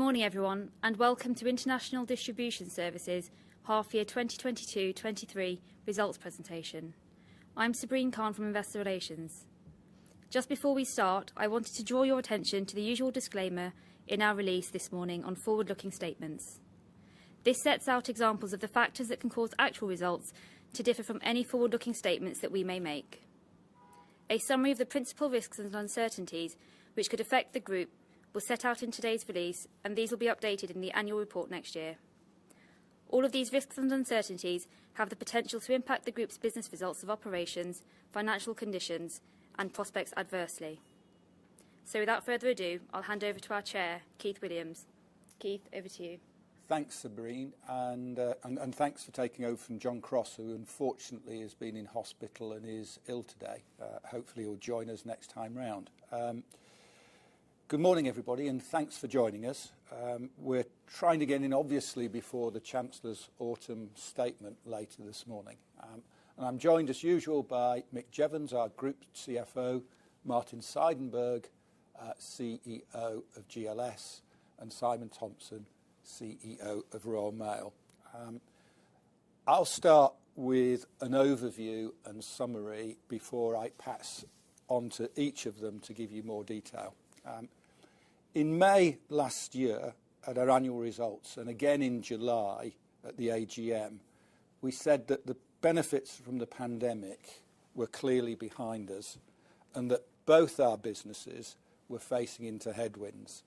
Good morning, everyone, and welcome to International Distributions Services half-year 2022-2023 results presentation. I'm Sabreen Khan from Investor Relations. Just before we start, I wanted to draw your attention to the usual disclaimer in our release this morning on forward-looking statements. This sets out examples of the factors that can cause actual results to differ from any forward-looking statements that we may make. A summary of the principal risks and uncertainties which could affect the Group was set out in today's release, and these will be updated in the Annual Report next year. All of these risks and uncertainties have the potential to impact the Group's business results of operations, financial conditions, and prospects adversely. Without further ado, I'll hand over to our Chair, Keith Williams. Keith, over to you. Thanks, Sabreen. Thanks for taking over from John Crosse, who unfortunately has been in hospital and is ill today. Hopefully he'll join us next time round. Good morning, everybody, and thanks for joining us. We're trying to get in obviously before the Chancellor's Autumn Statement later this morning. I'm joined as usual by Mick Jeavons, our Group CFO, Martin Seidenberg, CEO of GLS, and Simon Thompson, CEO of Royal Mail. I'll start with an overview and summary before I pass on to each of them to give you more detail. In May last year at our annual results, and again in July at the AGM, we said that the benefits from the pandemic were clearly behind us and that both our businesses were facing into headwinds,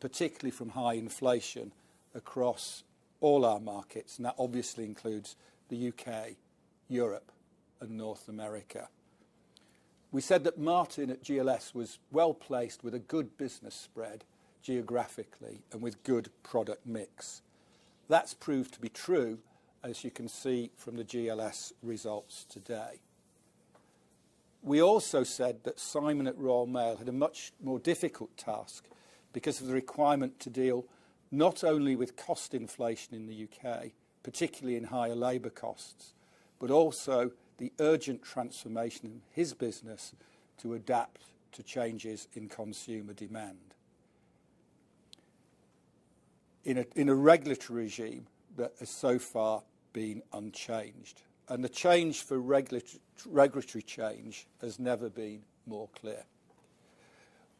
particularly from high inflation across all our markets, and that obviously includes the U.K., Europe and North America. We said that Martin at GLS was well-placed with a good business spread geographically and with good product mix. That's proved to be true, as you can see from the GLS results today. We also said that Simon at Royal Mail had a much more difficult task because of the requirement to deal not only with cost inflation in the U.K., particularly in higher labor costs, but also the urgent transformation in his business to adapt to changes in consumer demand. In a regulatory regime that has so far been unchanged, the case for regulatory change has never been more clear.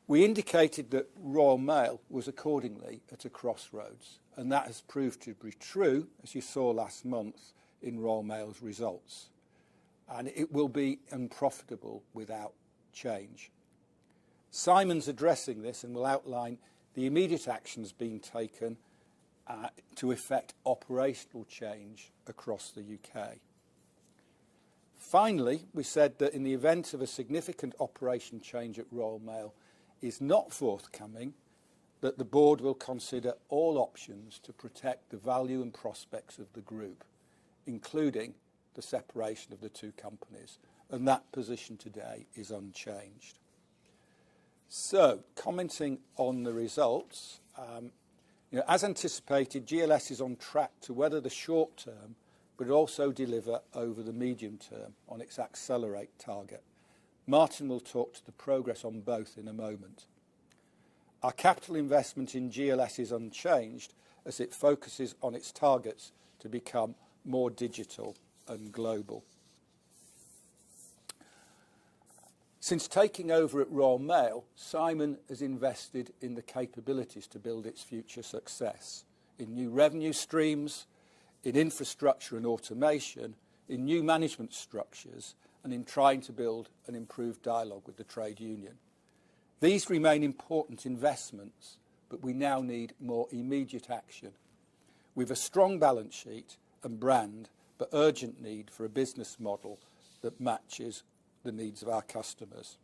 We indicated that Royal Mail was accordingly at a crossroads, and that has proved to be true, as you saw last month in Royal Mail's results. It will be unprofitable without change. Simon's addressing this and will outline the immediate actions being taken to effect operational change across the U.K. Finally, we said that in the event of a significant operational change at Royal Mail is not forthcoming, the Board will consider all options to protect the value and prospects of the Group, including the separation of the two companies, and that position today is unchanged. Commenting on the results, you know, as anticipated, GLS is on track to weather the short term but also deliver over the medium term on its Accelerate target. Martin will talk to the progress on both in a moment. Our capital investment in GLS is unchanged as it focuses on its targets to become more digital and global. Since taking over at Royal Mail, Simon has invested in the capabilities to build its future success in new revenue streams, in infrastructure and automation, in new management structures, and in trying to build an improved dialogue with the trade union. These remain important investments, but we now need more immediate action. We've a strong balance sheet and brand, but urgent need for a business model that matches the needs of our customers.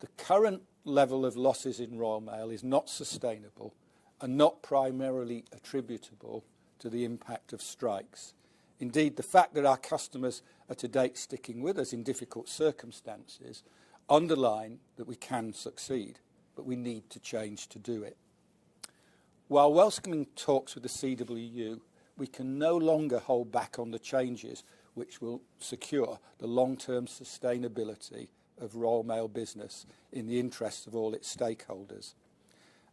The current level of losses in Royal Mail is not sustainable and not primarily attributable to the impact of strikes. Indeed, the fact that our customers are to date sticking with us in difficult circumstances underline that we can succeed, but we need to change to do it. While welcoming talks with the CWU, we can no longer hold back on the changes which will secure the long-term sustainability of Royal Mail business in the interest of all its stakeholders.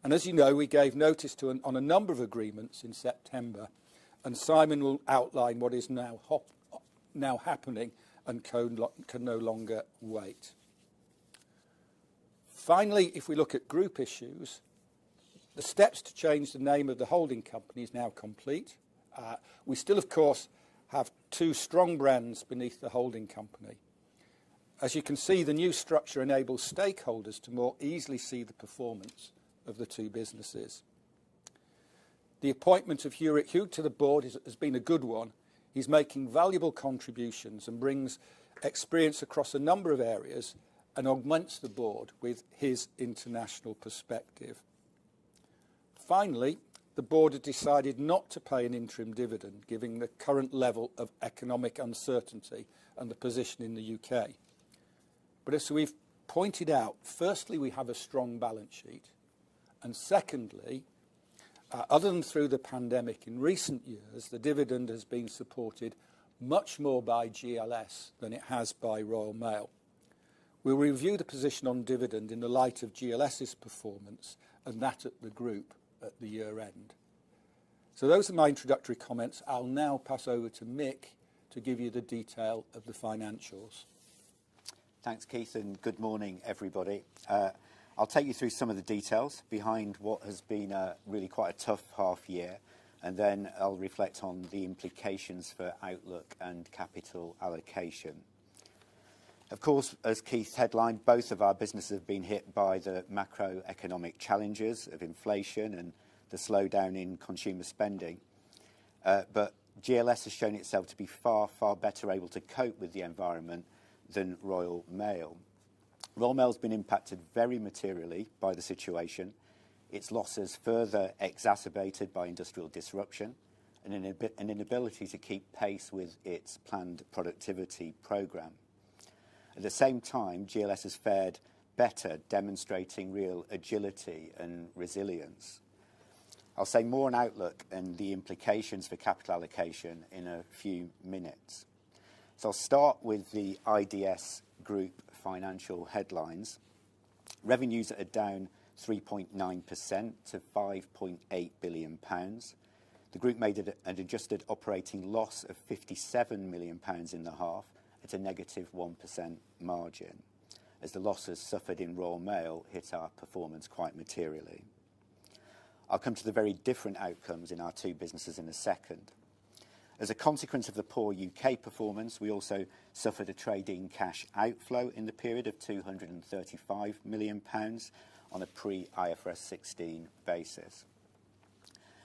As you know, we gave notice on a number of agreements in September, and Simon will outline what is now happening and can no longer wait. Finally, if we look at group issues, the steps to change the name of the holding company is now complete. We still of course have two strong brands beneath the holding company. As you can see, the new structure enables stakeholders to more easily see the performance of the two businesses. The appointment of Jourik Hooghe to the Board has been a good one. He's making valuable contributions and brings experience across a number of areas and augments the Board with his international perspective. Finally, the Board has decided not to pay an interim dividend given the current level of economic uncertainty and the position in the U.K. As we've pointed out, firstly, we have a strong balance sheet. Secondly, other than through the pandemic, in recent years, the dividend has been supported much more by GLS than it has by Royal Mail. We'll review the position on dividend in the light of GLS's performance and that of the Group at the year-end. Those are my introductory comments. I'll now pass over to Mick to give you the detail of the financials. Thanks, Keith, and good morning, everybody. I'll take you through some of the details behind what has been a really quite a tough half year, and then I'll reflect on the implications for outlook and capital allocation. Of course, as Keith headlined, both of our businesses have been hit by the macroeconomic challenges of inflation and the slowdown in consumer spending. GLS has shown itself to be far better able to cope with the environment than Royal Mail. Royal Mail has been impacted very materially by the situation, its losses further exacerbated by industrial disruption and an inability to keep pace with its planned productivity program. At the same time, GLS has fared better, demonstrating real agility and resilience. I'll say more on outlook and the implications for capital allocation in a few minutes. I'll start with the IDS Group financial headlines. Revenues are down 3.9% to 5.8 billion pounds. The Group made it an adjusted operating loss of 57 million pounds in the half at a -1% margin as the losses suffered in Royal Mail hit our performance quite materially. I'll come to the very different outcomes in our two businesses in a second. As a consequence of the poor U.K. performance, we also suffered a trading cash outflow in the period of 235 million pounds on a pre-IFRS 16 basis.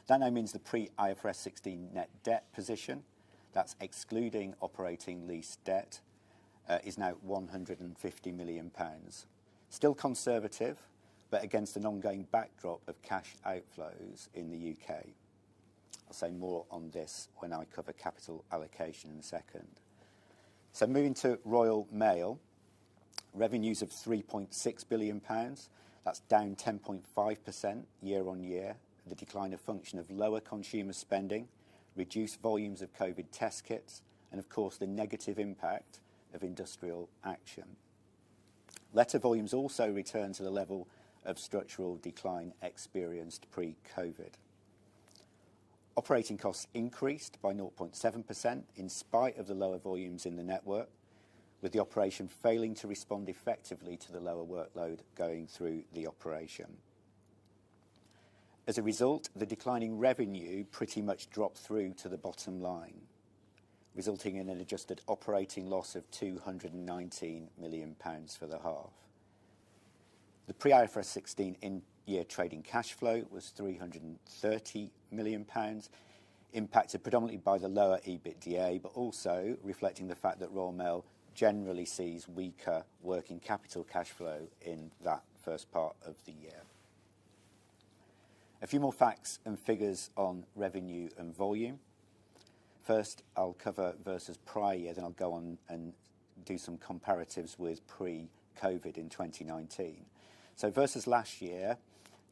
That now means the pre-IFRS 16 net debt position, that's excluding operating lease debt, is now 150 million pounds. Still conservative, but against an ongoing backdrop of cash outflows in the U.K. I'll say more on this when I cover capital allocation in a second. Moving to Royal Mail. Revenues of 3.6 billion pounds, that's down 10.5% year-on-year. The decline a function of lower consumer spending, reduced volumes of COVID test kits, and of course, the negative impact of industrial action. Letter volumes also return to the level of structural decline experienced pre-COVID. Operating costs increased by 0.7% in spite of the lower volumes in the network, with the operation failing to respond effectively to the lower workload going through the operation. As a result, the declining revenue pretty much dropped through to the bottom line, resulting in an adjusted operating loss of 219 million pounds for the half. The pre IFRS 16 in-year trading cash flow was 330 million pounds, impacted predominantly by the lower EBITDA, but also reflecting the fact that Royal Mail generally sees weaker working capital cash flow in that first part of the year. A few more facts and figures on revenue and volume. First, I'll cover versus prior year. I'll go on and do some comparatives with pre-COVID in 2019. Versus last year,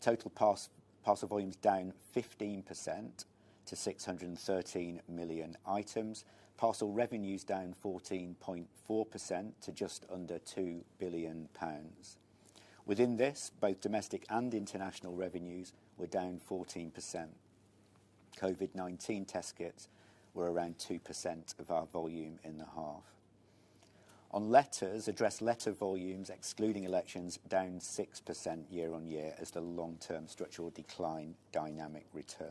total parcel volumes down 15% to 613 million items. Parcel revenues down 14.4% to just under 2 billion pounds. Within this, both domestic and international revenues were down 14%. COVID-19 test kits were around 2% of our volume in the half. On letters, addressed letter volumes, excluding elections, down 6% year-on-year as the long-term structural decline dynamic returned.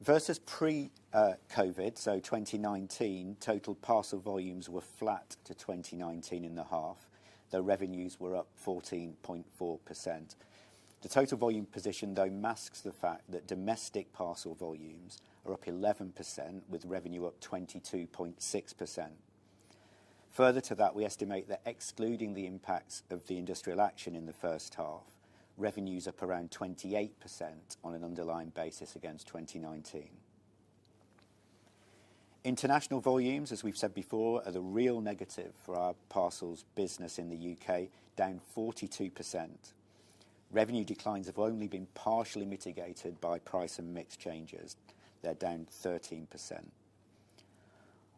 Versus pre-COVID, so 2019, total parcel volumes were flat to 2019 in the half, though revenues were up 14.4%. The total volume position though masks the fact that domestic parcel volumes are up 11% with revenue up 22.6%. Further to that, we estimate that excluding the impacts of the industrial action in the first half, revenue's up around 28% on an underlying basis against 2019. International volumes, as we've said before, are the real negative for our parcels business in the U.K., down 42%. Revenue declines have only been partially mitigated by price and mix changes. They're down 13%.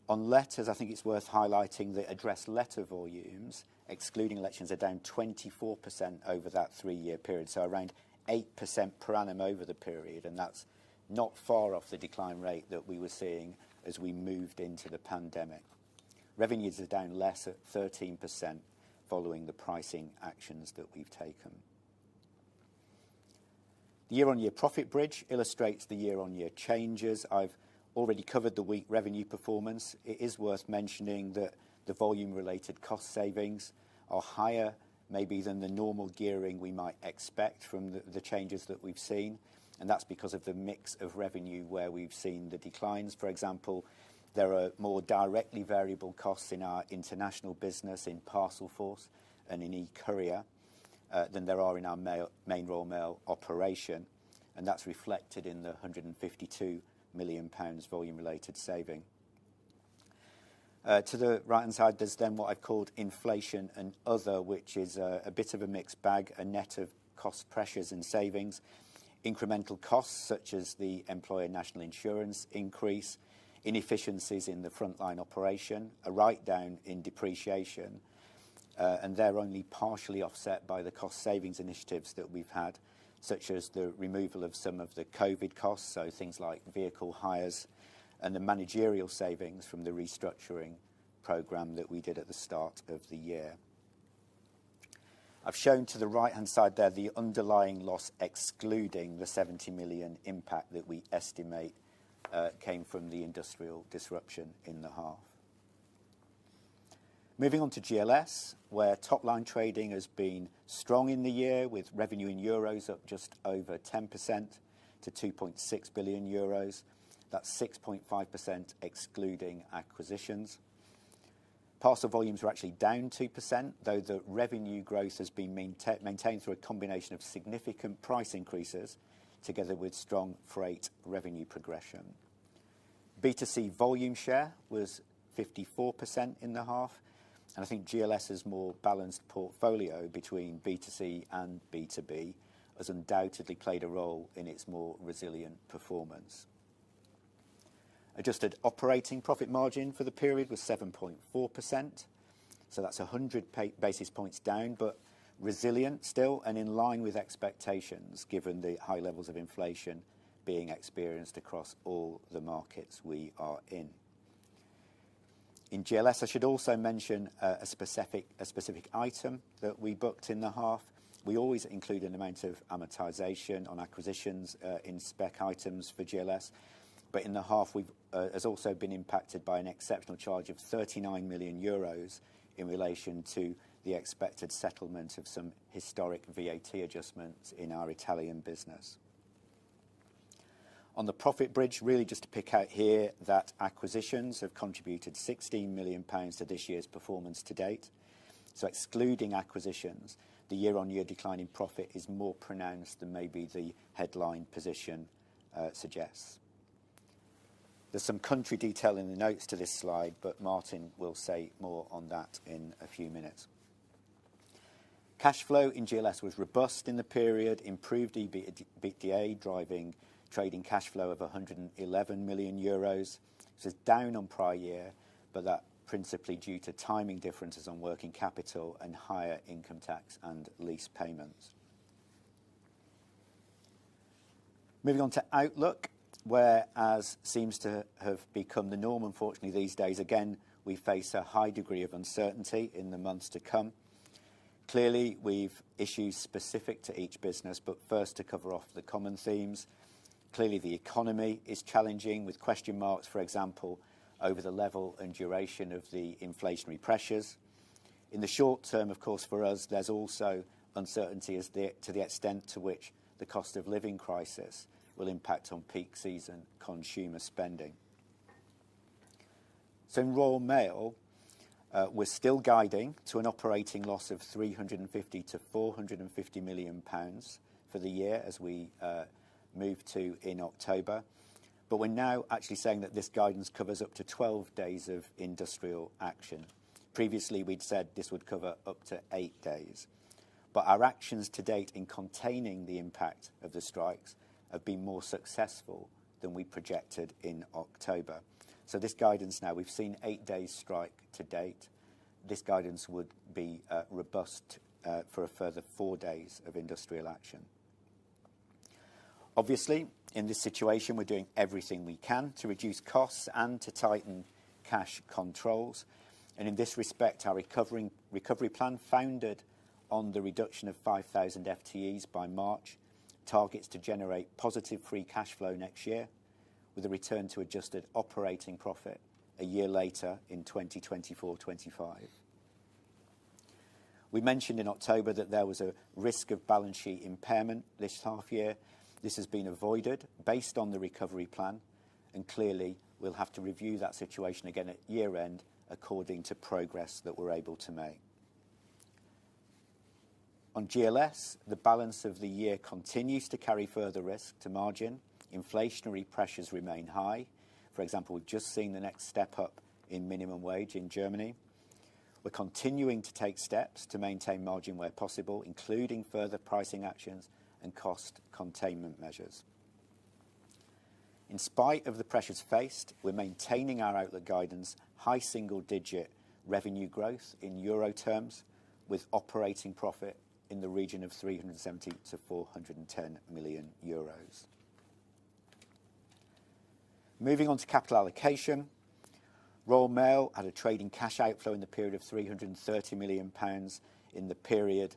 On letters, I think it's worth highlighting the addressed letter volumes, excluding elections, are down 24% over that three-year period. Around 8% per annum over the period, and that's not far off the decline rate that we were seeing as we moved into the pandemic. Revenues are down less at 13% following the pricing actions that we've taken. The year-on-year profit bridge illustrates the year-on-year changes. I've already covered the weak revenue performance. It is worth mentioning that the volume-related cost savings are higher maybe than the normal gearing we might expect from the changes that we've seen. That's because of the mix of revenue where we've seen the declines. For example, there are more directly variable costs in our international business in Parcelforce and in eCourier than there are in our main Royal Mail operation, and that's reflected in the 152 million pounds volume-related saving. To the right-hand side, there's then what I've called inflation and other, which is a bit of a mixed bag, a net of cost pressures and savings. Incremental costs such as the Employer National Insurance increase, inefficiencies in the frontline operation, a write-down in depreciation, and they're only partially offset by the cost savings initiatives that we've had, such as the removal of some of the COVID costs, so things like vehicle hires and the managerial savings from the restructuring program that we did at the start of the year. I've shown to the right-hand side there, the underlying loss excluding the 70 million impact that we estimate came from the industrial disruption in the half. Moving on to GLS, where top-line trading has been strong in the year with revenue in euros up just over 10% to 2.6 billion euros. That's 6.5% excluding acquisitions. Parcel volumes are actually down 2%, though the revenue growth has been maintained through a combination of significant price increases together with strong freight revenue progression. B2C volume share was 54% in the half, and I think GLS's more balanced portfolio between B2C and B2B has undoubtedly played a role in its more resilient performance. Adjusted operating profit margin for the period was 7.4%. That's 100 basis points down, but resilient still and in line with expectations given the high levels of inflation being experienced across all the markets we are in. In GLS, I should also mention a specific item that we booked in the half. We always include an amount of amortization on acquisitions in spec items for GLS. But in the half, we've also been impacted by an exceptional charge of 39 million euros in relation to the expected settlement of some historic VAT adjustments in our Italian business. On the profit bridge, really just to pick out here that acquisitions have contributed 16 million pounds to this year's performance to date. So excluding acquisitions, the year-on-year decline in profit is more pronounced than maybe the headline position, uh, suggests. There's some country detail in the notes to this slide, but Martin will say more on that in a few minutes. Cash flow in GLS was robust in the period, improved EBITDA, driving trading cash flow of 111 million euros. This is down on prior year, but that principally due to timing differences on working capital and higher income tax and lease payments. Moving on to outlook, as seems to have become the norm unfortunately these days, again, we face a high degree of uncertainty in the months to come. Clearly, we've issues specific to each business, but first to cover off the common themes. Clearly, the economy is challenging with question marks, for example, over the level and duration of the inflationary pressures. In the short term, of course, for us, there's also uncertainty as to the extent to which the cost of living crisis will impact on peak season consumer spending. In Royal Mail, we're still guiding to an operating loss of 350 million-450 million pounds for the year as we move to in October. We're now actually saying that this guidance covers up to 12 days of industrial action. Previously, we'd said this would cover up to eight days. Our actions to date in containing the impact of the strikes have been more successful than we projected in October. This guidance now, we've seen eight days strike to date. This guidance would be robust for a further four days of industrial action. Obviously, in this situation, we're doing everything we can to reduce costs and to tighten cash controls. In this respect, our recovery plan founded on the reduction of 5,000 FTEs by March, targets to generate positive free cash flow next year with a return to adjusted operating profit a year later in 2024-2025. We mentioned in October that there was a risk of balance sheet impairment this half year. This has been avoided based on the recovery plan, and clearly we'll have to review that situation again at year-end according to progress that we're able to make. On GLS, the balance of the year continues to carry further risk to margin. Inflationary pressures remain high. For example, we've just seen the next step up in minimum wage in Germany. We're continuing to take steps to maintain margin where possible, including further pricing actions and cost containment measures. In spite of the pressures faced, we're maintaining our outlook guidance, high single-digit revenue growth in euro terms, with operating profit in the region of 370 million-410 million euros. Moving on to capital allocation. Royal Mail had a trading cash outflow in the period of 330 million pounds in the period.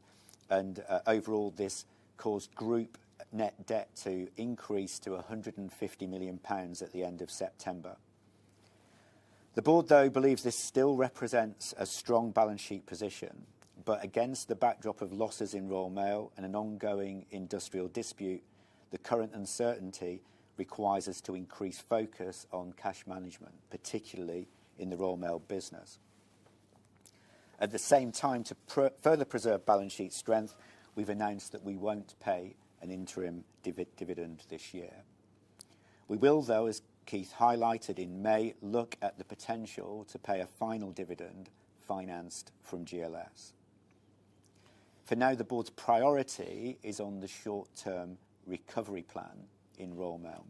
Overall, this caused group net debt to increase to 150 million pounds at the end of September. The Board, though, believes this still represents a strong balance sheet position, but against the backdrop of losses in Royal Mail and an ongoing industrial dispute, the current uncertainty requires us to increase focus on cash management, particularly in the Royal Mail business. At the same time, to further preserve balance sheet strength, we've announced that we won't pay an interim dividend this year. We will, though, as Keith highlighted in May, look at the potential to pay a final dividend financed from GLS. For now, the Board's priority is on the short-term recovery plan in Royal Mail.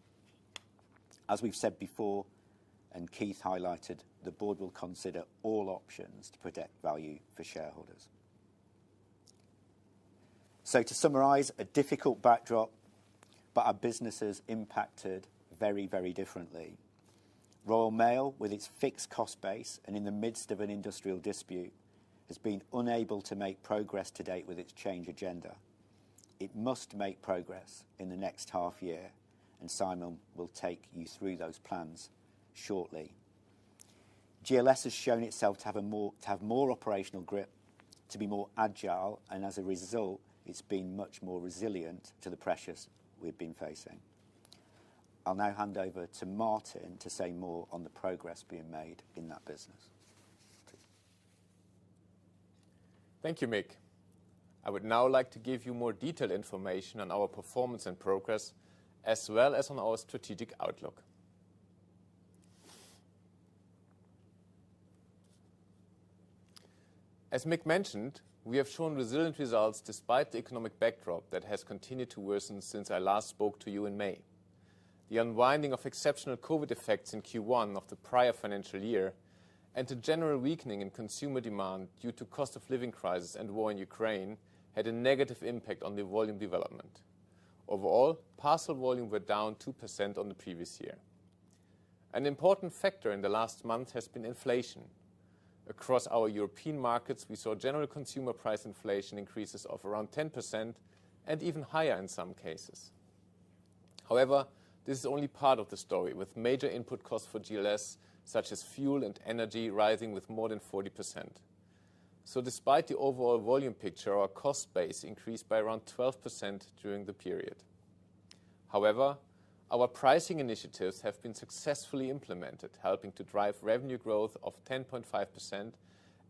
As we've said before, and Keith highlighted, the Board will consider all options to protect value for shareholders. To summarize, a difficult backdrop, but our business is impacted very, very differently. Royal Mail, with its fixed cost base and in the midst of an industrial dispute, has been unable to make progress to date with its change agenda. It must make progress in the next half year, and Simon will take you through those plans shortly. GLS has shown itself to have more operational grip, to be more agile, and as a result, it's been much more resilient to the pressures we've been facing. I'll now hand over to Martin to say more on the progress being made in that business. Thank you, Mick. I would now like to give you more detailed information on our performance and progress, as well as on our strategic outlook. As Mick mentioned, we have shown resilient results despite the economic backdrop that has continued to worsen since I last spoke to you in May. The unwinding of exceptional COVID effects in Q1 of the prior financial year, and the general weakening in consumer demand due to cost of living crisis and war in Ukraine, had a negative impact on the volume development. Overall, parcel volume were down 2% on the previous year. An important factor in the last month has been inflation. Across our European markets, we saw general consumer price inflation increases of around 10% and even higher in some cases. However, this is only part of the story, with major input costs for GLS, such as fuel and energy, rising with more than 40%. Despite the overall volume picture, our cost base increased by around 12% during the period. However, our pricing initiatives have been successfully implemented, helping to drive revenue growth of 10.5%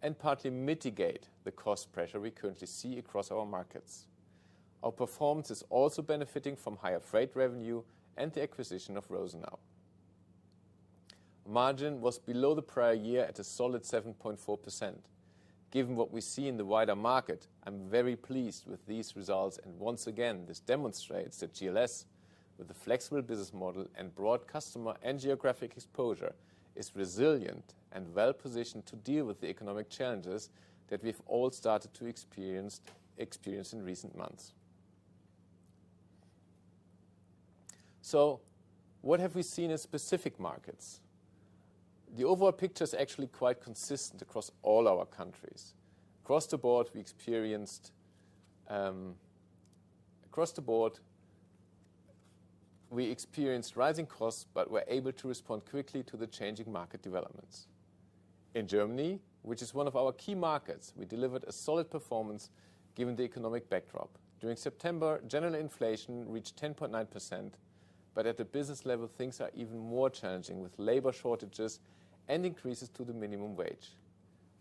and partly mitigate the cost pressure we currently see across our markets. Our performance is also benefiting from higher freight revenue and the acquisition of Rosenau. Margin was below the prior year at a solid 7.4%. Given what we see in the wider market, I'm very pleased with these results, and once again, this demonstrates that GLS, with a flexible business model and broad customer and geographic exposure, is resilient and well-positioned to deal with the economic challenges that we've all started to experience in recent months. What have we seen in specific markets? The overall picture is actually quite consistent across all our countries. Across the Board, we experienced rising costs, but were able to respond quickly to the changing market developments. In Germany, which is one of our key markets, we delivered a solid performance given the economic backdrop. During September, general inflation reached 10.9%, but at the business level, things are even more challenging with labor shortages and increases to the minimum wage.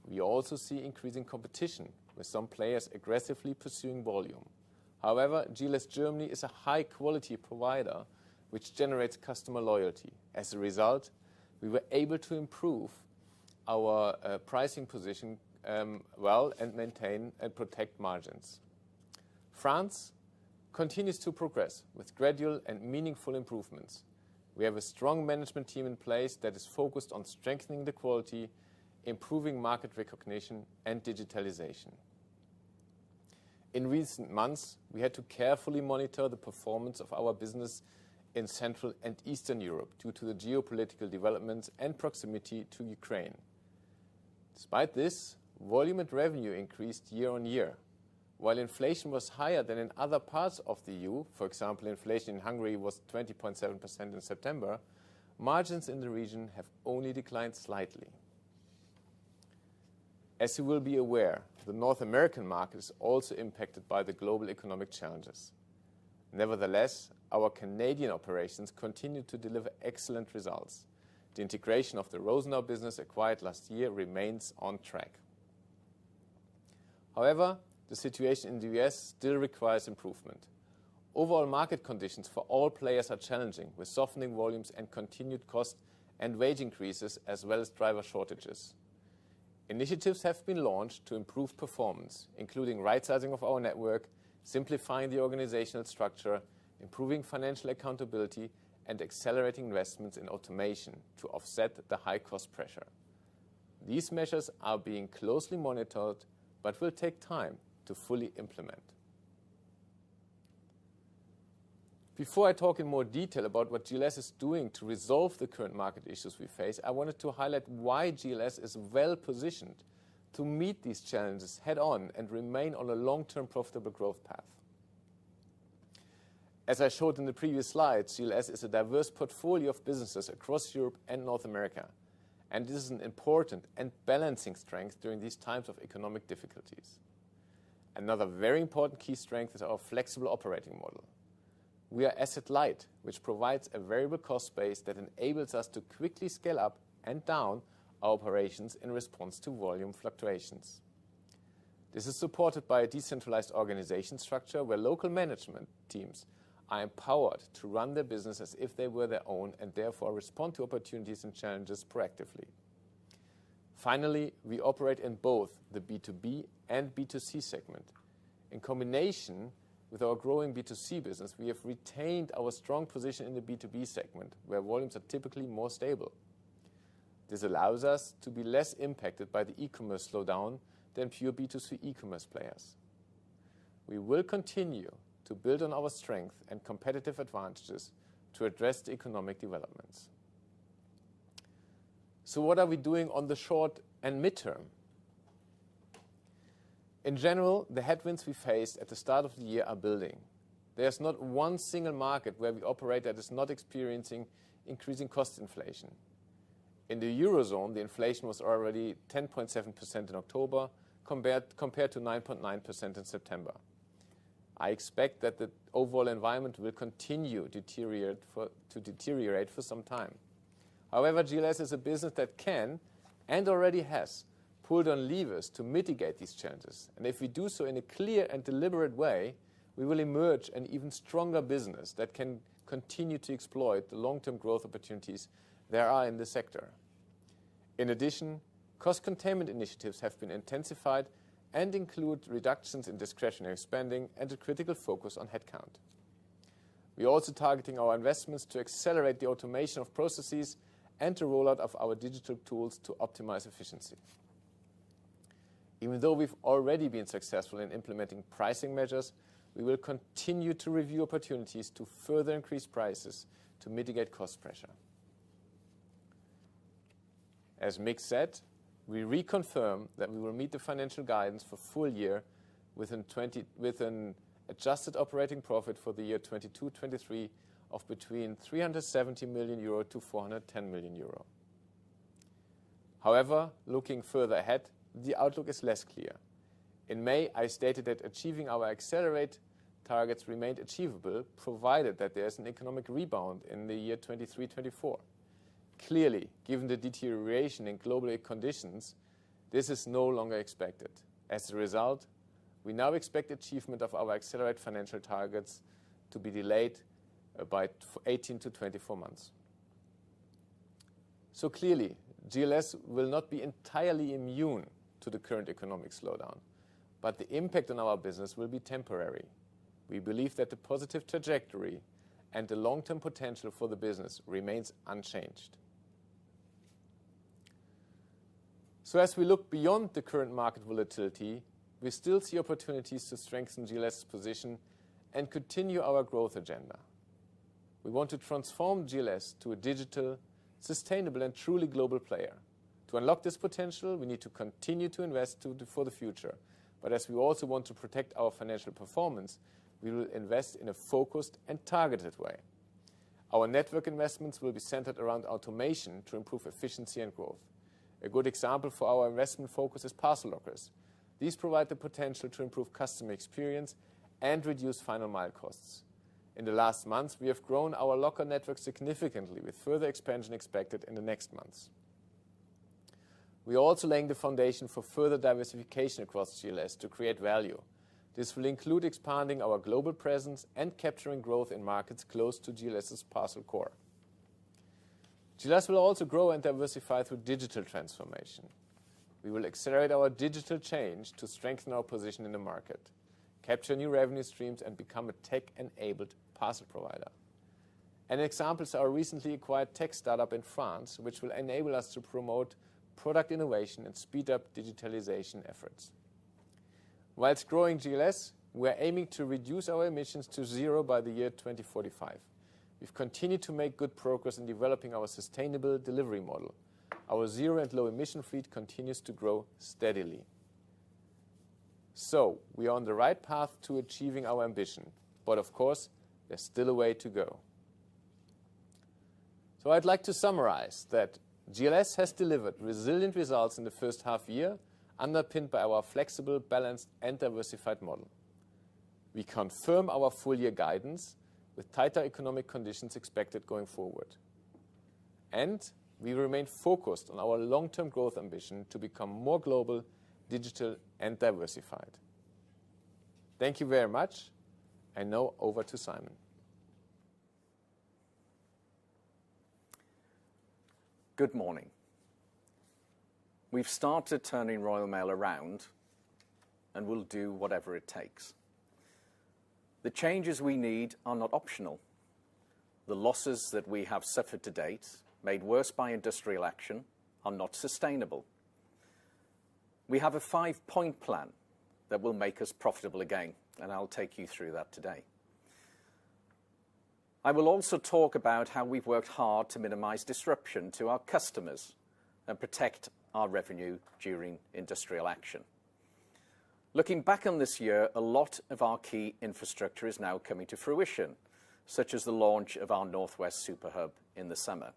We also see increasing competition with some players aggressively pursuing volume. However, GLS Germany is a high-quality provider which generates customer loyalty. As a result, we were able to improve our pricing position well and maintain and protect margins. France continues to progress with gradual and meaningful improvements. We have a strong management team in place that is focused on strengthening the quality, improving market recognition, and digitalization. In recent months, we had to carefully monitor the performance of our business in Central and Eastern Europe due to the geopolitical developments and proximity to Ukraine. Despite this, volume and revenue increased year-on-year. While inflation was higher than in other parts of the EU, for example, inflation in Hungary was 20.7% in September, margins in the region have only declined slightly. As you will be aware, the North American market is also impacted by the global economic challenges. Nevertheless, our Canadian operations continue to deliver excellent results. The integration of the Rosenau business acquired last year remains on track. However, the situation in the U.S. still requires improvement. Overall market conditions for all players are challenging, with softening volumes and continued cost and wage increases, as well as driver shortages. Initiatives have been launched to improve performance, including right-sizing of our network, simplifying the organizational structure, improving financial accountability, and accelerating investments in automation to offset the high cost pressure. These measures are being closely monitored, but will take time to fully implement. Before I talk in more detail about what GLS is doing to resolve the current market issues we face, I wanted to highlight why GLS is well-positioned to meet these challenges head-on and remain on a long-term profitable growth path. As I showed in the previous slide, GLS is a diverse portfolio of businesses across Europe and North America, and this is an important and balancing strength during these times of economic difficulties. Another very important key strength is our flexible operating model. We are asset-light, which provides a variable cost base that enables us to quickly scale up and down our operations in response to volume fluctuations. This is supported by a decentralized organization structure where local management teams are empowered to run their business as if they were their own, and therefore respond to opportunities and challenges proactively. Finally, we operate in both the B2B and B2C segment. In combination with our growing B2C business, we have retained our strong position in the B2B segment, where volumes are typically more stable. This allows us to be less impacted by the e-commerce slowdown than pure B2C e-commerce players. We will continue to build on our strength and competitive advantages to address the economic developments. So what are we doing on the short and midterm? In general, the headwinds we faced at the start of the year are building. There's not one single market where we operate that is not experiencing increasing cost inflation. In the Eurozone, the inflation was already 10.7% in October compared to 9.9% in September. I expect that the overall environment will continue to deteriorate for some time. However, GLS is a business that can, and already has, pulled on levers to mitigate these challenges. If we do so in a clear and deliberate way, we will emerge an even stronger business that can continue to exploit the long-term growth opportunities there are in this sector. In addition, cost containment initiatives have been intensified and include reductions in discretionary spending and a critical focus on headcount. We're also targeting our investments to accelerate the automation of processes and to roll out of our digital tools to optimize efficiency. Even though we've already been successful in implementing pricing measures, we will continue to review opportunities to further increase prices to mitigate cost pressure. As Mick said, we reconfirm that we will meet the financial guidance for full year with an adjusted operating profit for the year 2022-2023 of between 370 million-410 million euro. However, looking further ahead, the outlook is less clear. In May, I stated that achieving our Accelerate targets remained achievable, provided that there's an economic rebound in the year 2023-2024. Clearly, given the deterioration in global conditions, this is no longer expected. As a result, we now expect achievement of our Accelerate financial targets to be delayed by 18-24 months. Clearly, GLS will not be entirely immune to the current economic slowdown, but the impact on our business will be temporary. We believe that the positive trajectory and the long-term potential for the business remains unchanged. As we look beyond the current market volatility, we still see opportunities to strengthen GLS' position and continue our growth agenda. We want to transform GLS to a digital, sustainable, and truly global player. To unlock this potential, we need to continue to invest for the future. As we also want to protect our financial performance, we will invest in a focused and targeted way. Our network investments will be centered around automation to improve efficiency and growth. A good example for our investment focus is parcel lockers. These provide the potential to improve customer experience and reduce final mile costs. In the last months, we have grown our locker network significantly with further expansion expected in the next months. We are also laying the foundation for further diversification across GLS to create value. This will include expanding our global presence and capturing growth in markets close to GLS' parcel core. GLS will also grow and diversify through digital transformation. We will accelerate our digital change to strengthen our position in the market, capture new revenue streams, and become a tech-enabled parcel provider. An example is our recently acquired tech startup in France, which will enable us to promote product innovation and speed up digitalization efforts. Whilst growing GLS, we're aiming to reduce our emissions to zero by the year 2045. We've continued to make good progress in developing our sustainable delivery model. Our zero and low emission fleet continues to grow steadily. We are on the right path to achieving our ambition, but of course, there's still a way to go. I'd like to summarize that GLS has delivered resilient results in the first half year, underpinned by our flexible, balanced, and diversified model. We confirm our full-year guidance with tighter economic conditions expected going forward, and we remain focused on our long-term growth ambition to become more global, digital, and diversified. Thank you very much. Now over to Simon. Good morning. We've started turning Royal Mail around, and we'll do whatever it takes. The changes we need are not optional. The losses that we have suffered to date, made worse by industrial action, are not sustainable. We have a five-point plan that will make us profitable again, and I'll take you through that today. I will also talk about how we've worked hard to minimize disruption to our customers and protect our revenue during industrial action. Looking back on this year, a lot of our key infrastructure is now coming to fruition, such as the launch of our North West Super Hub in the summer.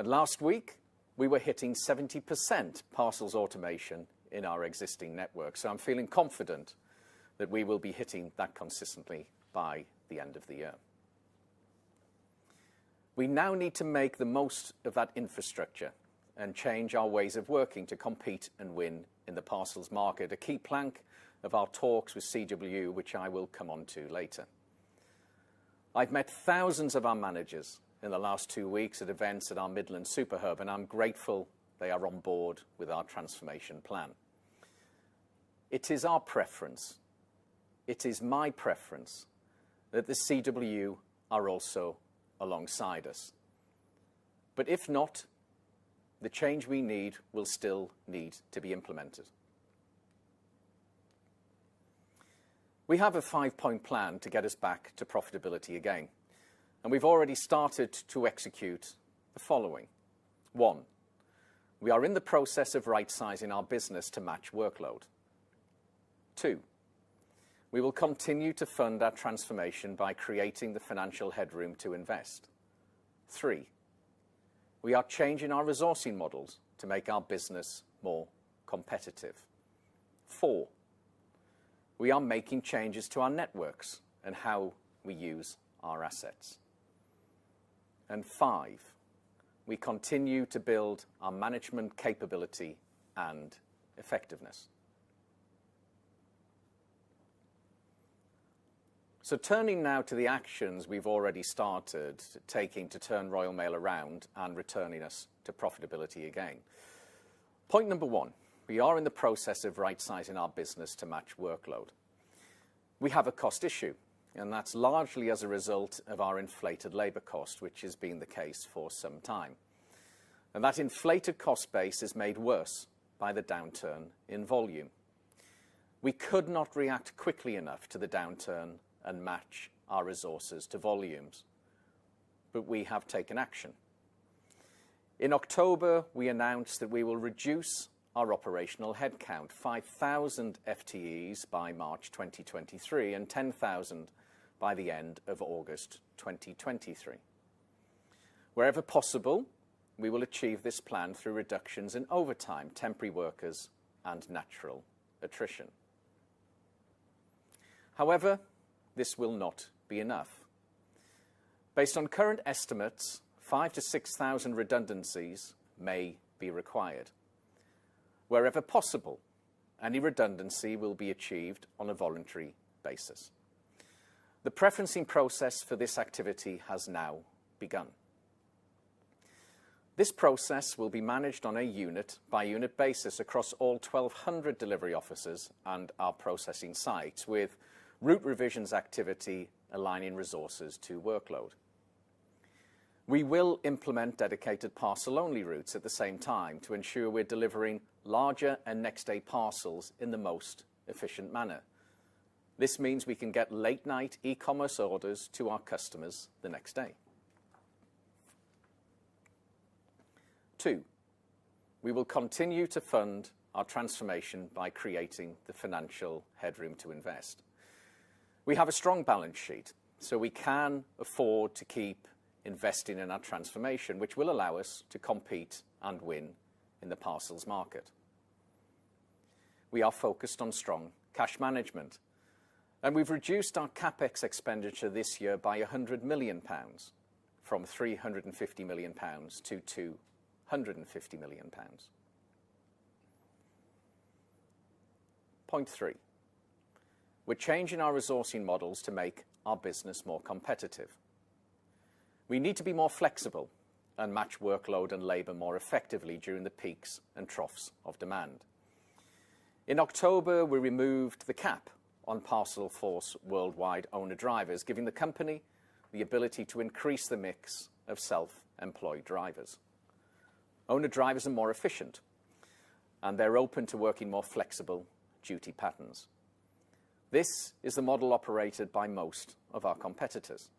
Last week, we were hitting 70% parcels automation in our existing network. I'm feeling confident that we will be hitting that consistently by the end of the year. We now need to make the most of that infrastructure and change our ways of working to compete and win in the parcels market, a key plank of our talks with CWU, which I will come on to later. I've met thousands of our managers in the last two weeks at events at Midlands Super Hub, and I'm grateful they are on board with our transformation plan. It is our preference, it is my preference that the CWU are also alongside us. If not, the change we need will still need to be implemented. We have a five-point plan to get us back to profitability again, and we've already started to execute the following. One; we are in the process of rightsizing our business to match workload. Two; we will continue to fund our transformation by creating the financial headroom to invest. Three; we are changing our resourcing models to make our business more competitive. Four; we are making changes to our networks and how we use our assets. And five; we continue to build our management capability and effectiveness. Turning now to the actions we've already started taking to turn Royal Mail around and returning us to profitability again. Point number one, we are in the process of rightsizing our business to match workload. We have a cost issue, and that's largely as a result of our inflated labor cost, which has been the case for some time. That inflated cost base is made worse by the downturn in volume. We could not react quickly enough to the downturn and match our resources to volumes, but we have taken action. In October, we announced that we will reduce our operational headcount, 5,000 FTEs by March 2023, and 10,000 by the end of August 2023. Wherever possible, we will achieve this plan through reductions in overtime, temporary workers, and natural attrition. However, this will not be enough. Based on current estimates, 5,000-6,000 redundancies may be required. Wherever possible, any redundancy will be achieved on a voluntary basis. The preferencing process for this activity has now begun. This process will be managed on a unit-by-unit basis across all 1,200 delivery offices and our processing sites, with route revisions activity aligning resources to workload. We will implement dedicated parcel-only routes at the same time to ensure we're delivering larger and next-day parcels in the most efficient manner. This means we can get late-night e-commerce orders to our customers the next day. Point two, we will continue to fund our transformation by creating the financial headroom to invest. We have a strong balance sheet, so we can afford to keep investing in our transformation, which will allow us to compete and win in the parcels market. We are focused on strong cash management, and we've reduced our CapEx this year by 100 million pounds, from 350 million-250 million pounds. Point three, we're changing our resourcing models to make our business more competitive. We need to be more flexible and match workload and labor more effectively during the peaks and troughs of demand. In October, we removed the cap on Parcelforce Worldwide owner drivers, giving the company the ability to increase the mix of self-employed drivers. Owner drivers are more efficient, and they're open to working more flexible duty patterns. This is the model operated by most of our competitors.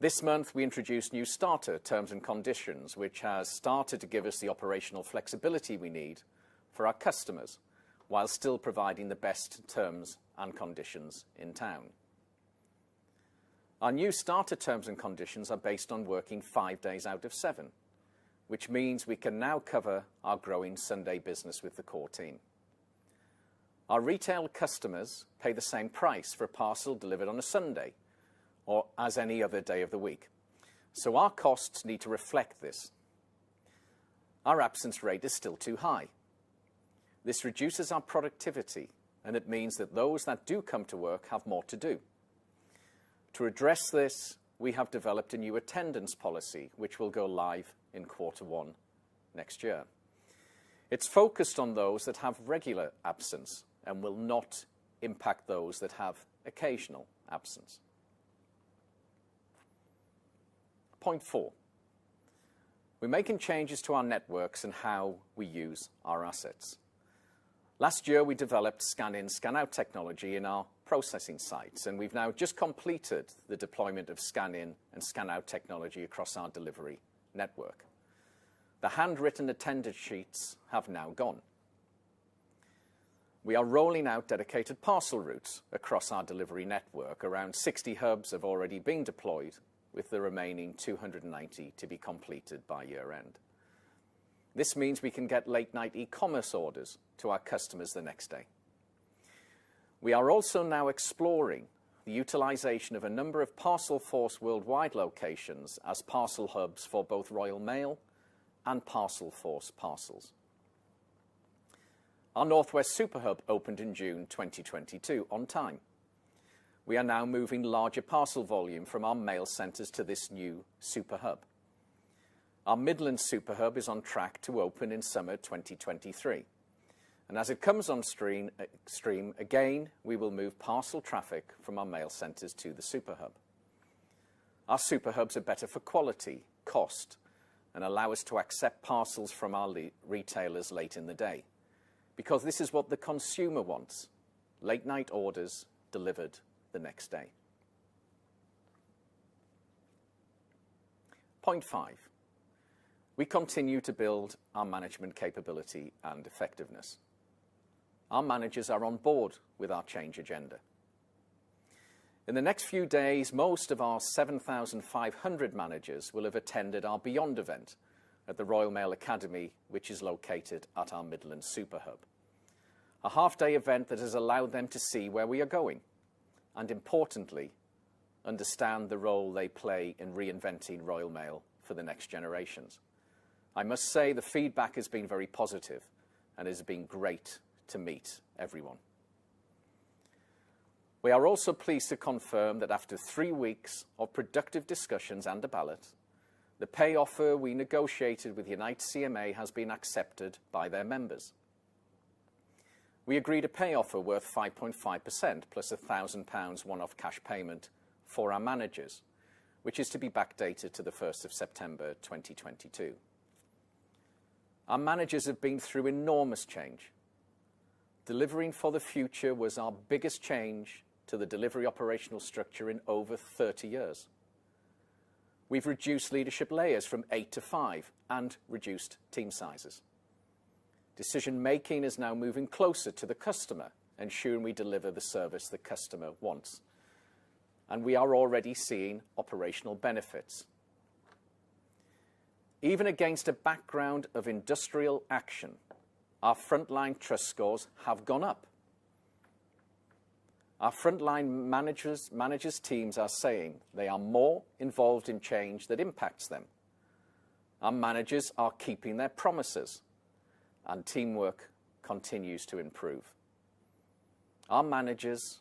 This month, we introduced new starter terms and conditions, which has started to give us the operational flexibility we need for our customers while still providing the best terms and conditions in town. Our new starter terms and conditions are based on working five days out of seven, which means we can now cover our growing Sunday business with the core team. Our retail customers pay the same price for a parcel delivered on a Sunday or as any other day of the week. Our costs need to reflect this. Our absence rate is still too high. This reduces our productivity, and it means that those that do come to work have more to do. To address this, we have developed a new attendance policy which will go live in quarter one next year. It's focused on those that have regular absence and will not impact those that have occasional absence. Point four, we're making changes to our networks and how we use our assets. Last year, we developed scan-in scan-out technology in our processing sites, and we've now just completed the deployment of scan-in and scan-out technology across our delivery network. The handwritten attendance sheets have now gone. We are rolling out dedicated parcel routes across our delivery network. Around 60 hubs have already been deployed, with the remaining 290 to be completed by year-end. This means we can get late-night e-commerce orders to our customers the next day. We are also now exploring the utilization of a number of Parcelforce Worldwide locations as parcel hubs for both Royal Mail and Parcelforce Worldwide parcels. Our North Super Hub opened in June 2022 on time. We are now moving larger parcel volume from our mail centers to this new Super Hub. Midlands Super Hub is on track to open in summer 2023, and as it comes on stream again, we will move parcel traffic from our mail centers to the Super Hub. Our Super Hubs are better for quality, cost, and allow us to accept parcels from our e-retailers late in the day. Because this is what the consumer wants, late night orders delivered the next day. Point five, we continue to build our management capability and effectiveness. Our managers are on board with our change agenda. In the next few days, most of our 7,500 managers will have attended our Beyond event at the Royal Mail Academy, which is located at our Midlands Super Hub. A half-day event that has allowed them to see where we are going, and importantly, understand the role they play in reinventing Royal Mail for the next generations. I must say, the feedback has been very positive and it's been great to meet everyone. We are also pleased to confirm that after three weeks of productive discussions and a ballot, the pay offer we negotiated with Unite CMA has been accepted by their members. We agreed a pay offer worth 5.5% plus 1,000 pounds one-off cash payment for our managers, which is to be backdated to September 1st, 2022. Our managers have been through enormous change. Delivering for the Future was our biggest change to the delivery operational structure in over 30 years. We've reduced leadership layers from 8-5 and reduced team sizes. Decision-making is now moving closer to the customer, ensuring we deliver the service the customer wants. We are already seeing operational benefits. Even against a background of industrial action, our frontline trust scores have gone up. Our frontline managers teams are saying they are more involved in change that impacts them. Our managers are keeping their promises, and teamwork continues to improve. Our managers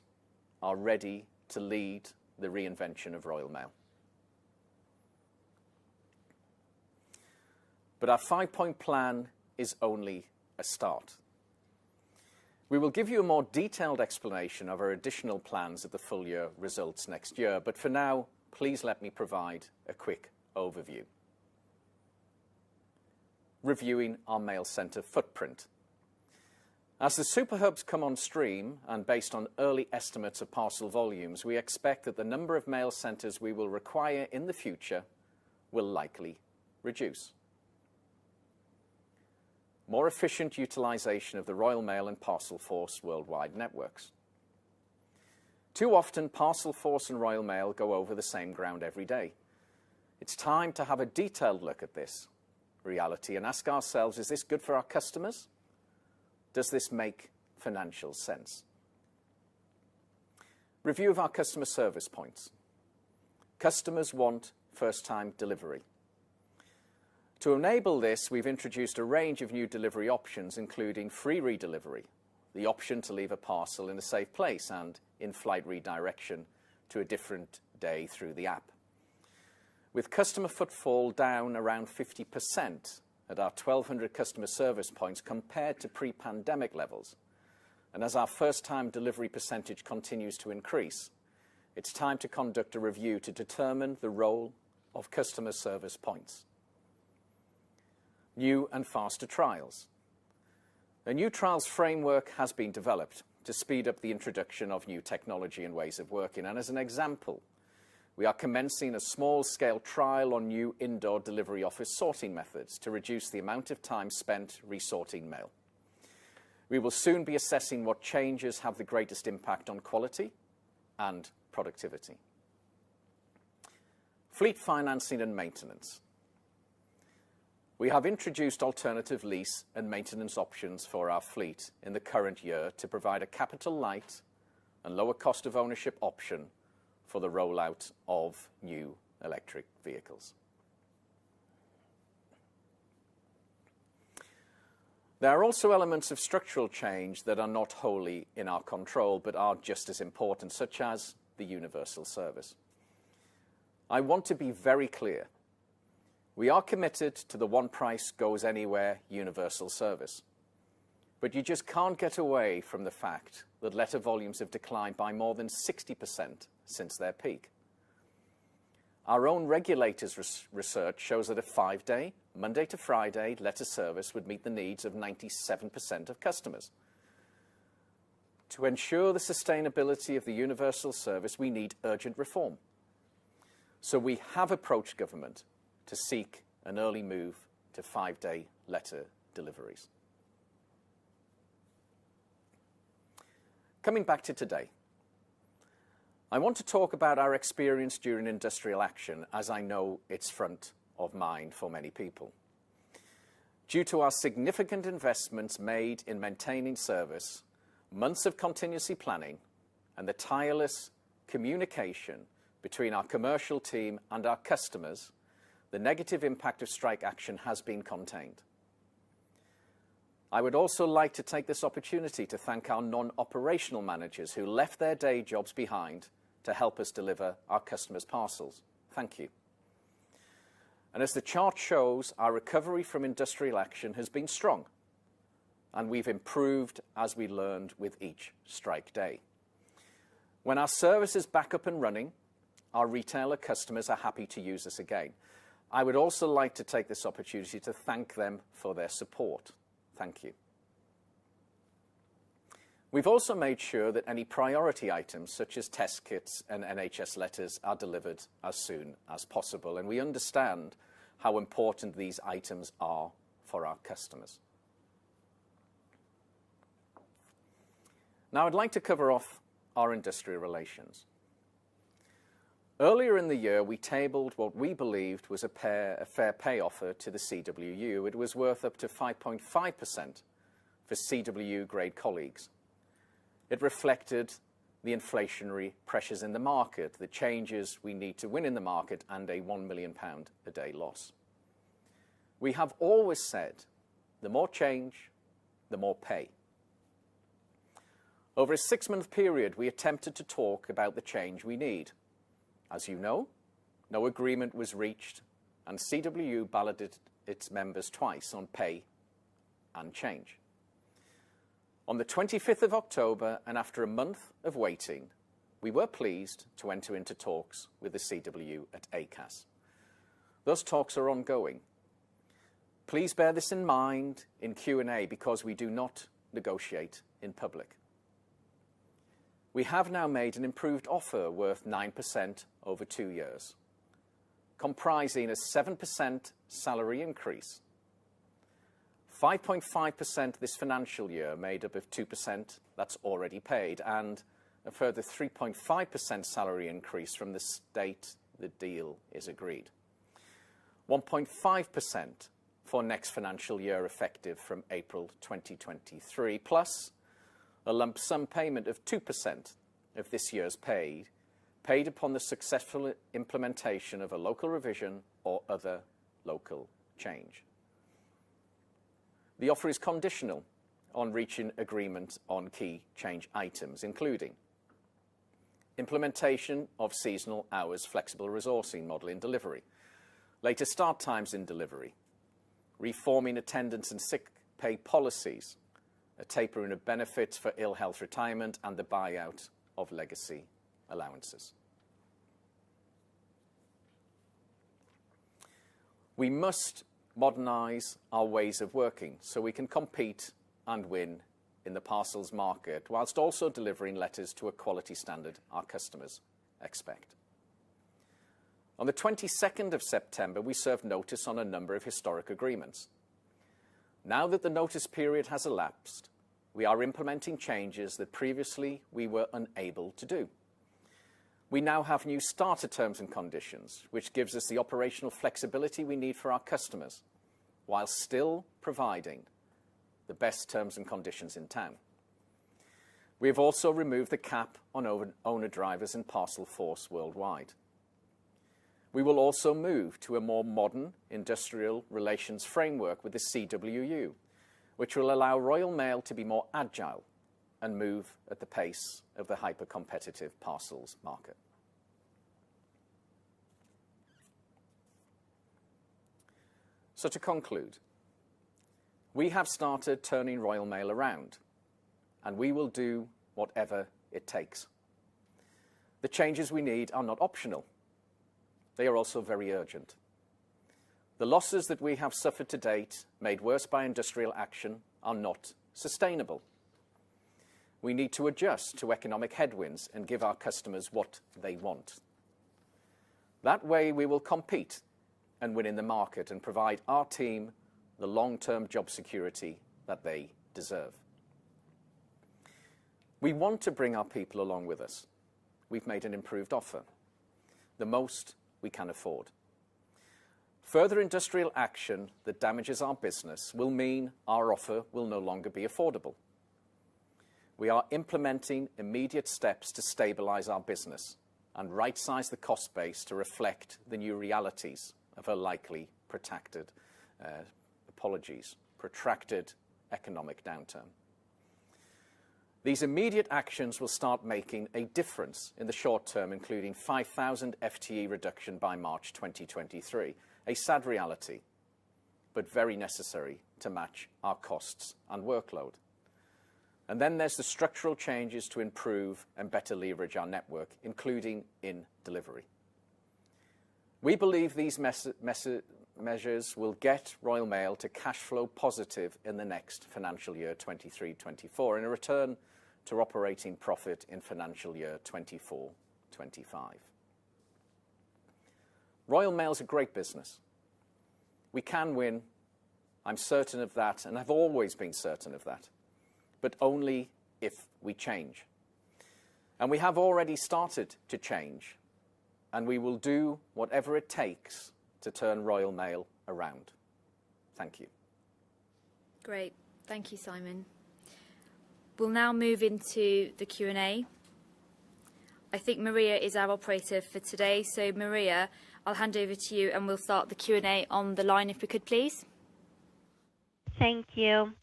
are ready to lead the reinvention of Royal Mail. Our five-point plan is only a start. We will give you a more detailed explanation of our additional plans at the full-year results next year, but for now, please let me provide a quick overview. Reviewing our mail center footprint. As the Super Hubs come on stream, and based on early estimates of parcel volumes, we expect that the number of mail centers we will require in the future will likely reduce. More efficient utilization of the Royal Mail and Parcelforce's worldwide networks. Too often, Parcelforce and Royal Mail go over the same ground every day. It's time to have a detailed look at this reality and ask ourselves, "Is this good for our customers? Does this make financial sense?" Review of our customer service points. Customers want first-time delivery. To enable this, we've introduced a range of new delivery options, including free redelivery, the option to leave a parcel in a safe place, and in-flight redirection to a different day through the app. With customer footfall down around 50% at our 1,200 customer service points compared to pre-pandemic levels, and as our first-time delivery percentage continues to increase, it's time to conduct a review to determine the role of customer service points. New and faster trials. A new trials framework has been developed to speed up the introduction of new technology and ways of working, and as an example, we are commencing a small-scale trial on new indoor delivery office sorting methods to reduce the amount of time spent resorting mail. We will soon be assessing what changes have the greatest impact on quality and productivity. Fleet financing and maintenance. We have introduced alternative lease and maintenance options for our fleet in the current year to provide a capital-light and lower cost of ownership option for the rollout of new electric vehicles. There are also elements of structural change that are not wholly in our control, but are just as important, such as the Universal Service. I want to be very clear, we are committed to the one price goes anywhere Universal Service, but you just can't get away from the fact that letter volumes have declined by more than 60% since their peak. Our own regulators res-research shows that a five-day, Monday to Friday, letter service would meet the needs of 97% of customers. To ensure the sustainability of the Universal Service, we need urgent reform. So we have approached government to seek an early move to five-day letter deliveries. Coming back to today, I want to talk about our experience during industrial action, as I know it's front of mind for many people. Due to our significant investments made in maintaining service, months of contingency planning, and the tireless communication between our commercial team and our customers. The negative impact of strike action has been contained. I would also like to take this opportunity to thank our non-operational managers who left their day jobs behind to help us deliver our customers' parcels. Thank you. As the chart shows, our recovery from industrial action has been strong, and we've improved as we learned with each strike day. When our service is back up and running, our retailer customers are happy to use us again. I would also like to take this opportunity to thank them for their support. Thank you. We've also made sure that any priority items, such as test kits and NHS letters, are delivered as soon as possible, and we understand how important these items are for our customers. Now I'd like to cover off our industrial relations. Earlier in the year, we tabled what we believed was a fair pay offer to the CWU. It was worth up to 5.5% for CWU grade colleagues. It reflected the inflationary pressures in the market, the changes we need to win in the market, and a 1 million pound a day loss. We have always said, "The more change, the more pay." Over a six-month period, we attempted to talk about the change we need. As you know, no agreement was reached, and CWU balloted its members twice on pay and change. On October 25th, and after a month of waiting, we were pleased to enter into talks with the CWU at ACAS. Those talks are ongoing. Please bear this in mind in Q&A because we do not negotiate in public. We have now made an improved offer worth 9% over two years, comprising a 7% salary increase, 5.5% this financial year, made up of 2% that's already paid, and a further 3.5% salary increase from the date the deal is agreed. 1.5% for next financial year, effective from April 2023, plus a lump sum payment of 2% of this year's pay, paid upon the successful implementation of a local revision or other local change. The offer is conditional on reaching agreement on key change items, including implementation of seasonal hours, flexible resourcing model and delivery, later start times in delivery, reforming attendance and sick pay policies, a taper in the benefits for ill health retirement, and the buyout of legacy allowances. We must modernize our ways of working so we can compete and win in the parcels market whilst also delivering letters to a quality standard our customers expect. On September 22nd, we served notice on a number of historic agreements. Now that the notice period has elapsed, we are implementing changes that previously we were unable to do. We now have new starter terms and conditions, which gives us the operational flexibility we need for our customers, while still providing the best terms and conditions in town. We have also removed the cap on owner-drivers in Parcelforce Worldwide. We will also move to a more modern industrial relations framework with the CWU, which will allow Royal Mail to be more agile and move at the pace of the hyper-competitive parcels market. To conclude, we have started turning Royal Mail around, and we will do whatever it takes. The changes we need are not optional. They are also very urgent. The losses that we have suffered to date, made worse by industrial action, are not sustainable. We need to adjust to economic headwinds and give our customers what they want. That way we will compete and win in the market and provide our team the long-term job security that they deserve. We want to bring our people along with us. We've made an improved offer, the most we can afford. Further industrial action that damages our business will mean our offer will no longer be affordable. We are implementing immediate steps to stabilize our business and rightsize the cost base to reflect the new realities of a likely protracted economic downturn. These immediate actions will start making a difference in the short term, including 5,000 FTE reduction by March 2023. A sad reality, but very necessary to match our costs and workload. There's the structural changes to improve and better leverage our network, including in delivery. We believe these measures will get Royal Mail to cash flow positive in the next financial year, 2023-2024, and a return to operating profit in financial year 2024-2025. Royal Mail is a great business. We can win, I'm certain of that, and I've always been certain of that, but only if we change. We have already started to change, and we will do whatever it takes to turn Royal Mail around. Thank you. Great. Thank you, Simon. We'll now move into the Q&A. I think Maria is our operator for today. Maria, I'll hand over to you, and we'll start the Q&A on the line if we could, please. Thank you.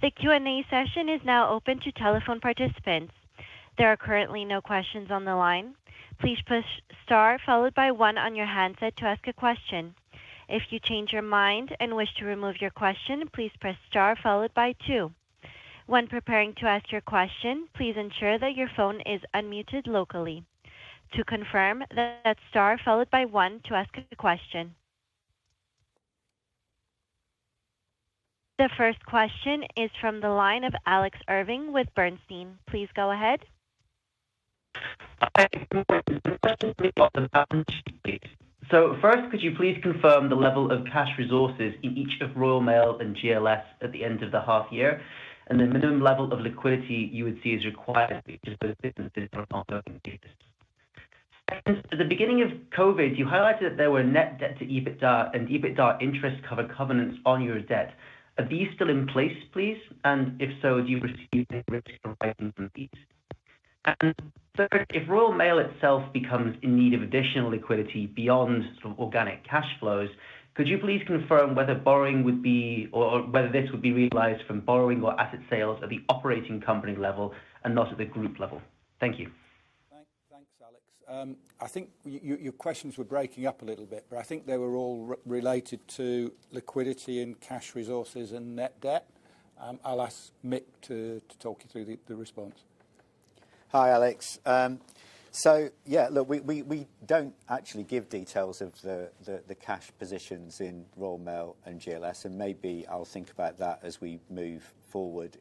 The Q&A session is now open to telephone participants. There are currently no questions on the line. Please push star followed by one on your handset to ask a question. If you change your mind and wish to remove your question, please press star followed by two. When preparing to ask your question, please ensure that your phone is unmuted locally. To confirm that's star followed by one to ask a question. The first question is from the line of Alex Irving with Bernstein. Please go ahead. Hi. Welcome. First, could you please confirm the level of cash resources in each of Royal Mail and GLS at the end of the half year and the minimum level of liquidity you would see is required because those businesses are not looking to do this. Second, at the beginning of COVID, you highlighted there were net debt to EBITDA and EBITDA interest cover covenants on your debt. Are these still in place, please? If so, do you perceive any risk arising from these? Third, if Royal Mail itself becomes in need of additional liquidity beyond sort of organic cash flows, could you please confirm whether borrowing would be or whether this would be realized from borrowing or asset sales at the operating company level and not at the Group level? Thank you. Thanks, Alex. I think your questions were breaking up a little bit, but I think they were all related to liquidity and cash resources and net debt. I'll ask Mick to talk you through the response. Hi, Alex. Yeah. Look, we don't actually give details of the cash positions in Royal Mail and GLS, and maybe I'll think about that as we move forward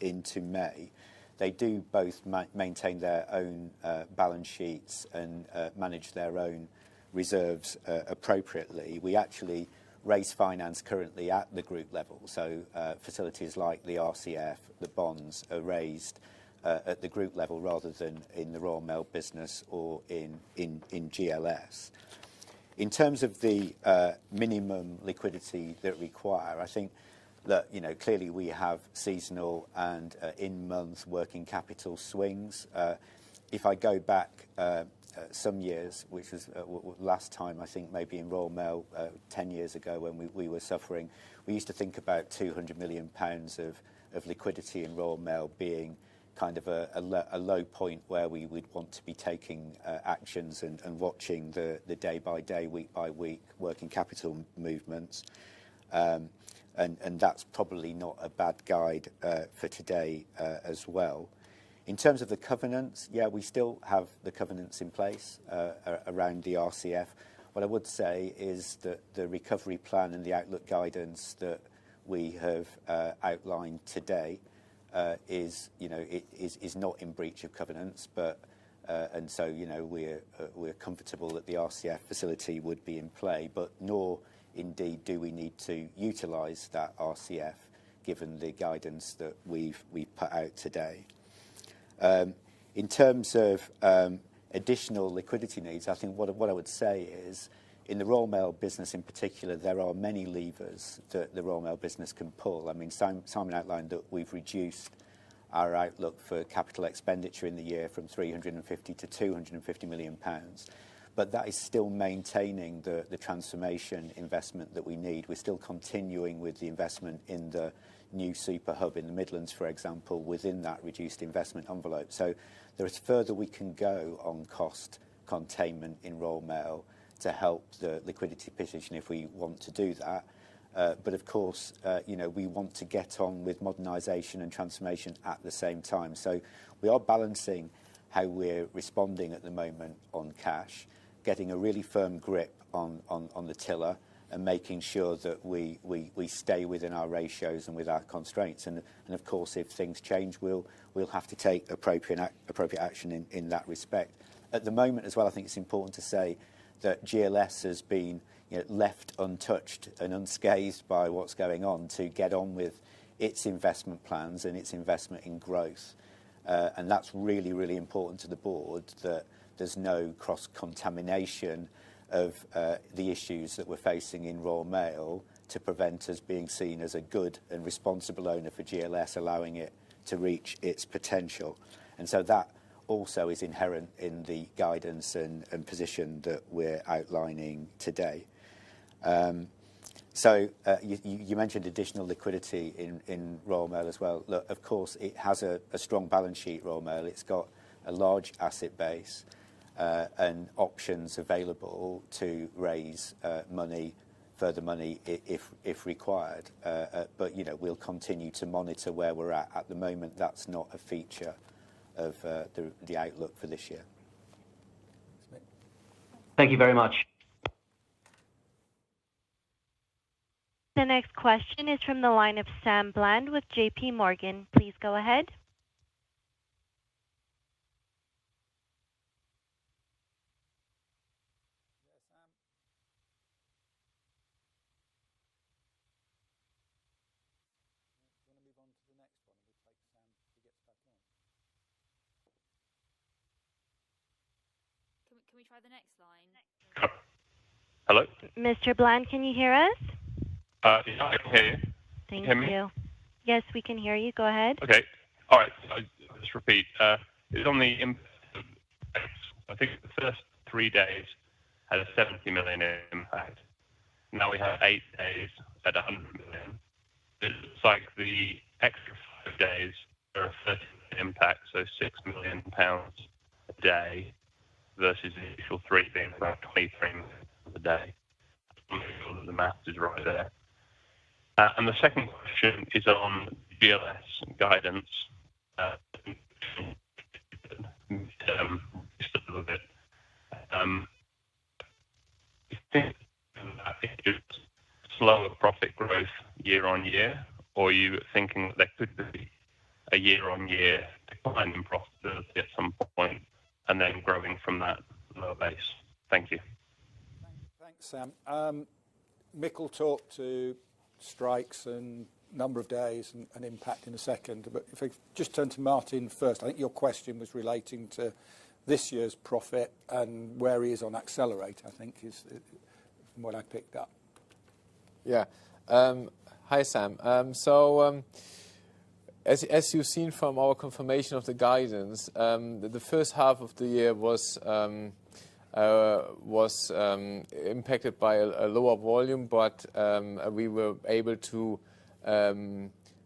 into May. They do both maintain their own balance sheets and manage their own reserves appropriately. We actually raise finance currently at the Group level. Facilities like the RCF, the bonds are raised at the Group level rather than in the Royal Mail business or in GLS. In terms of the minimum liquidity that require, I think that, you know, clearly we have seasonal and in months working capital swings. If I go back some years, which is last time, I think maybe in Royal Mail 10 years ago when we were suffering, we used to think about 200 million pounds of liquidity in Royal Mail being kind of a low point where we would want to be taking actions and watching the day-by-day, week-by-week working capital movements. That's probably not a bad guide for today as well. In terms of the covenants, yeah, we still have the covenants in place around the RCF. What I would say is that the recovery plan and the outlook guidance that we have outlined today is, you know, not in breach of covenants, but, you know, we're comfortable that the RCF facility would be in play, but nor indeed do we need to utilize that RCF given the guidance that we've put out today. In terms of additional liquidity needs, I think what I would say is, in the Royal Mail business in particular, there are many levers that the Royal Mail business can pull. I mean, Simon outlined that we've reduced our outlook for capital expenditure in the year from 350 million-250 million pounds. That is still maintaining the transformation investment that we need. We're still continuing with the investment in the new Super Hub in the Midlands, for example, within that reduced investment envelope. There is further we can go on cost containment in Royal Mail to help the liquidity position if we want to do that. Of course, you know, we want to get on with modernization and transformation at the same time. We are balancing how we're responding at the moment on cash, getting a really firm grip on the tiller, and making sure that we stay within our ratios and with our constraints. Of course, if things change, we'll have to take appropriate action in that respect. At the moment as well, I think it's important to say that GLS has been, you know, left untouched and unscathed by what's going on to get on with its investment plans and its investment in growth. That's really, really important to the Board that there's no cross-contamination of the issues that we're facing in Royal Mail to prevent us being seen as a good and responsible owner for GLS, allowing it to reach its potential. That also is inherent in the guidance and position that we're outlining today. You mentioned additional liquidity in Royal Mail as well. Look, of course, it has a strong balance sheet, Royal Mail. It's got a large asset base and options available to raise money, further money if required. You know, we'll continue to monitor where we're at. At the moment, that's not a feature of the outlook for this year. Thank you very much. The next question is from the line of Sam Bland with JPMorgan. Please go ahead. Yeah, Sam. Do you want to move on to the next one and we'll take Sam if he gets back on? Can we try the next line? Hello? Mr. Bland, can you hear us? Yeah, I can hear you. Thank you. Can you hear me? Yes, we can hear you. Go ahead. Okay. All right. I'll just repeat. I think the first three days had a 70 million impact. Now we have eight days at 100 million. It looks like the extra five days are a 30 million impact, so 6 million pounds a day versus the initial three being about 23 million a day. I'm not sure that the math is right there. The second question is on GLS guidance. Just a little bit. Slower profit growth year-on-year, or are you thinking that there could be a year-on-year decline in profitability at some point and then growing from that lower base? Thank you. Thanks, Sam. Mick will talk to strikes and number of days and impact in a second. If we just turn to Martin first, I think your question was relating to this year's profit and where he is on Accelerate, I think is what I picked up. Yeah. Hi, Sam. As you've seen from our confirmation of the guidance, the first half of the year was impacted by a lower volume, but we were able to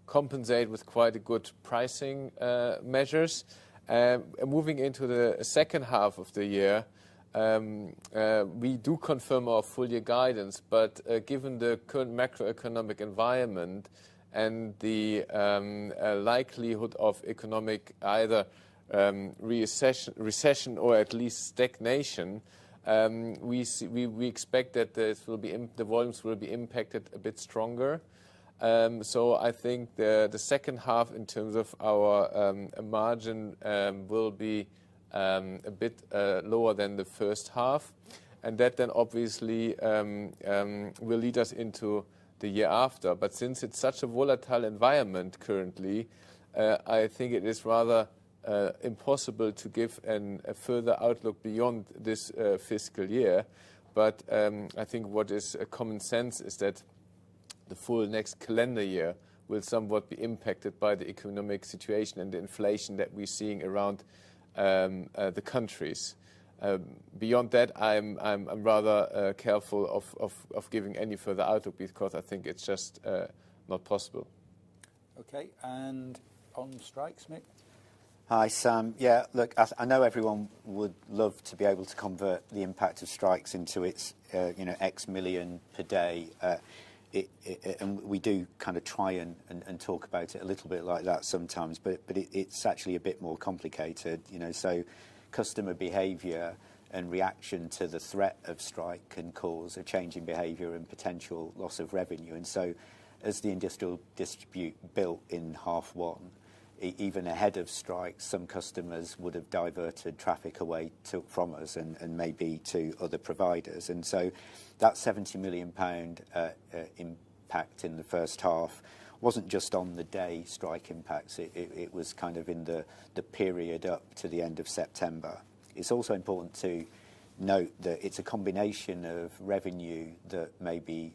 compensate with quite good pricing measures. Moving into the second half of the year, we do confirm our full year guidance, but given the current macroeconomic environment and the likelihood of economic either recession or at least stagnation, we expect that the volumes will be impacted a bit stronger. I think the second half in terms of our margin will be a bit lower than the first half. That then obviously will lead us into the year after. Since it's such a volatile environment currently, I think it is rather impossible to give a further outlook beyond this fiscal year. I think what is a common sense is that the full next calendar year will somewhat be impacted by the economic situation and the inflation that we're seeing around the countries. Beyond that, I'm rather careful of giving any further outlook because I think it's just not possible. Okay. On strikes, Mick? Hi, Sam. Yeah, look, as I know everyone would love to be able to convert the impact of strikes into its, you know, X million per day. We do kind of try and talk about it a little bit like that sometimes. It's actually a bit more complicated, you know. Customer behavior and reaction to the threat of strike can cause a change in behavior and potential loss of revenue. As the industrial dispute built in H1, even ahead of strikes, some customers would have diverted traffic away from us and maybe to other providers. That 70 million pound impact in the first half wasn't just on the day strike impacts, it was kind of in the period up to the end of September. It's also important to note that it's a combination of revenue that maybe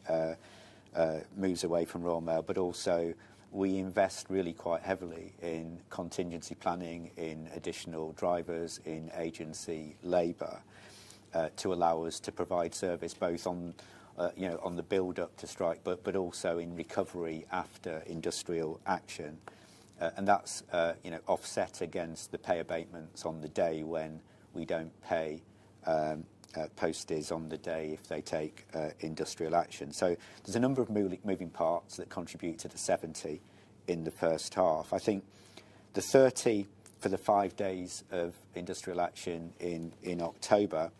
moves away from Royal Mail, but also we invest really quite heavily in contingency planning, in additional drivers, in agency labor to allow us to provide service both on, you know, the buildup to strike, but also in recovery after industrial action. That's, you know, offset against the pay abatements on the day when we don't pay posties on the day if they take industrial action. There's a number of moving parts that contribute to the 70 in the first half. I think the 30 for the five days of industrial action in October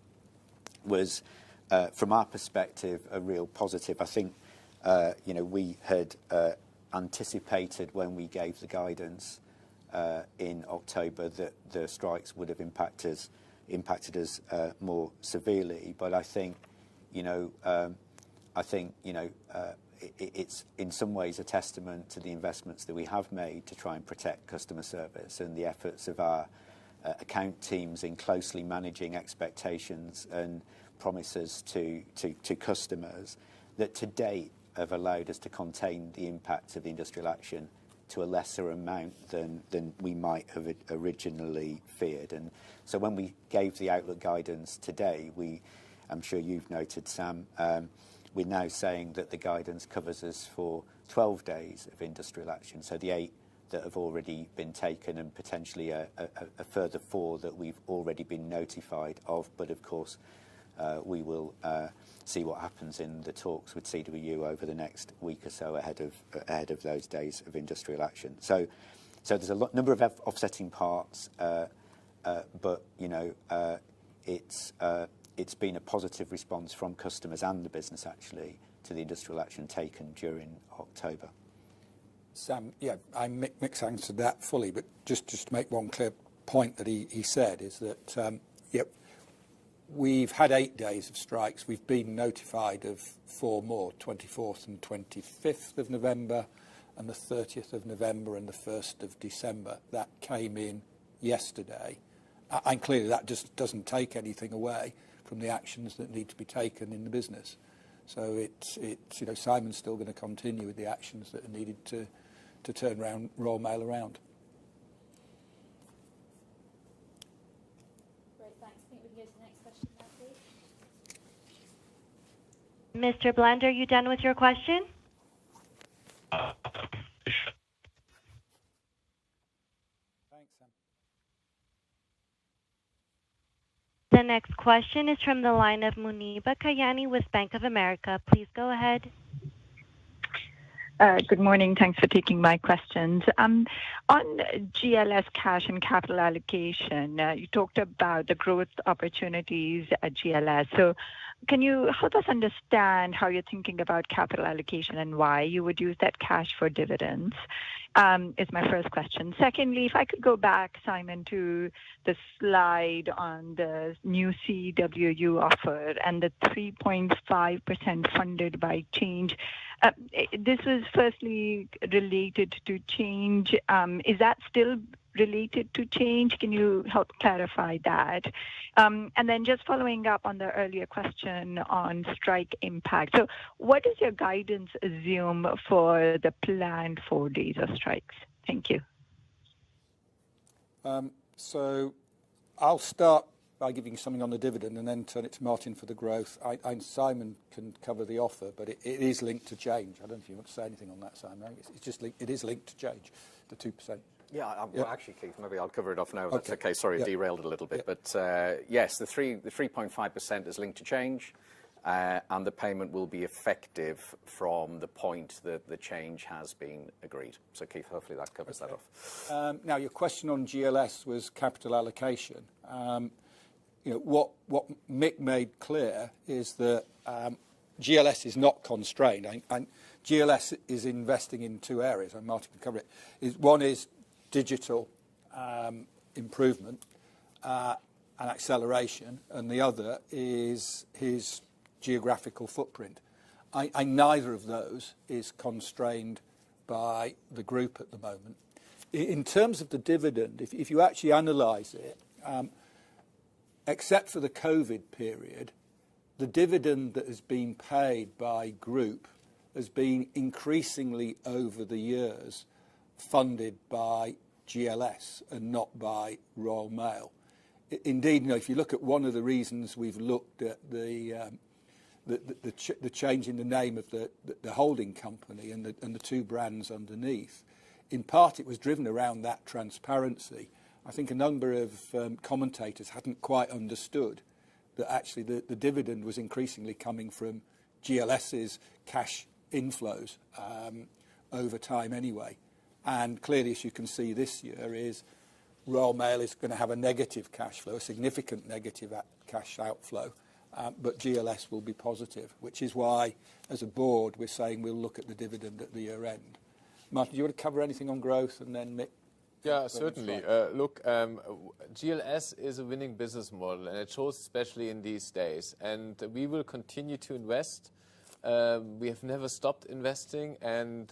was from our perspective a real positive. I think, you know, we had anticipated when we gave the guidance in October that the strikes would have impacted us more severely. I think, you know, it's in some ways a testament to the investments that we have made to try and protect customer service and the efforts of our account teams in closely managing expectations and promises to customers that to date have allowed us to contain the impact of the industrial action to a lesser amount than we might have originally feared. When we gave the outlook guidance today, I'm sure you've noted, Sam, we're now saying that the guidance covers us for 12 days of industrial action. The eight that have already been taken and potentially a further four that we've already been notified of. Of course, we will see what happens in the talks with CWU over the next week or so ahead of those days of industrial action. There's a number of offsetting parts. You know, it's been a positive response from customers and the business actually, to the industrial action taken during October. Sam, yeah, Mick's answered that fully. Just to make one clear point that he said is that, yep, we've had eight days of strikes. We've been notified of four more, November 24th and 25th and November 30th and December 1st. That came in yesterday. Clearly that just doesn't take anything away from the actions that need to be taken in the business. You know, Simon's still gonna continue with the actions that are needed to turn around Royal Mail around. Great. Thanks. I think we can go to the next question now, please. Mr. Bland, are you done with your question? Thanks, Sam. The next question is from the line of Muneeba Kayani with Bank of America. Please go ahead. Good morning, thanks for taking my questions. On GLS cash and capital allocation, you talked about the growth opportunities at GLS. Can you help us understand how you're thinking about capital allocation and why you would use that cash for dividends? Is my first question. Secondly, if I could go back, Simon, to the slide on the new CWU offer and the 3.5% funded by change. This is firstly related to change. Is that still related to change? Can you help clarify that? Just following up on the earlier question on strike impact. What is your guidance assume for the planned four days of strikes? Thank you. I'll start by giving you something on the dividend and then turn it to Martin for the growth. I and Simon can cover the offer, but it is linked to change. I don't know if you want to say anything on that, Simon. It is linked to change, the 2%. Yeah. Well, actually, Keith, maybe I'll cover it off now. Okay. Sorry, derailed it a little bit. Yeah. Yes, the 3.5% is linked to change. The payment will be effective from the point that the change has been agreed. Keith, hopefully that covers that off. Now your question on GLS was capital allocation. You know, what Mick made clear is that GLS is not constrained. GLS is investing in two areas, and Martin can cover it. One is digital improvement and acceleration, and the other is geographical footprint. Neither of those is constrained by the Group at the moment. In terms of the dividend, if you actually analyze it, except for the COVID period, the dividend that is being paid by Group is being increasingly over the years funded by GLS and not by Royal Mail. Indeed, you know, if you look at one of the reasons we've looked at the change in the name of the holding company and the two brands underneath, in part, it was driven around that transparency. I think a number of commentators hadn't quite understood that actually the dividend was increasingly coming from GLS's cash inflows over time anyway. Clearly, as you can see this year, Royal Mail is gonna have a negative cash flow, a significant negative cash outflow, but GLS will be positive, which is why, as a Board, we're saying we'll look at the dividend at the year-end. Martin, do you wanna cover anything on growth, and then Mick? Yeah, certainly. Look, GLS is a winning business model, and it shows especially in these days. We will continue to invest. We have never stopped investing and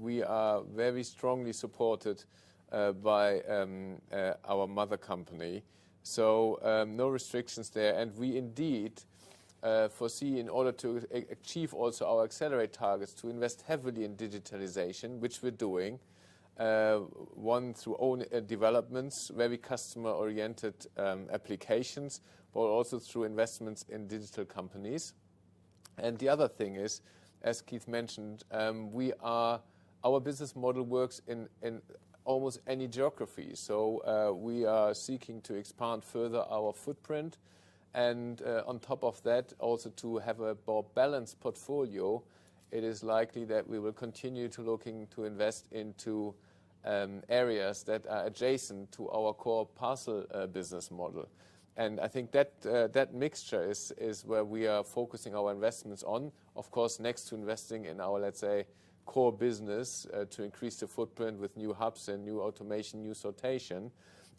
we are very strongly supported by our mother company. No restrictions there. We indeed foresee in order to achieve also our Accelerate targets to invest heavily in digitalization, which we're doing, one, through own developments, very customer-oriented applications, but also through investments in digital companies. The other thing is, as Keith mentioned, our business model works in almost any geography. We are seeking to expand further our footprint. On top of that, also to have a more balanced portfolio, it is likely that we will continue looking to invest into areas that are adjacent to our core parcel business model. I think that mixture is where we are focusing our investments on. Of course, next to investing in our, let's say, core business to increase the footprint with new hubs and new automation, new sortation.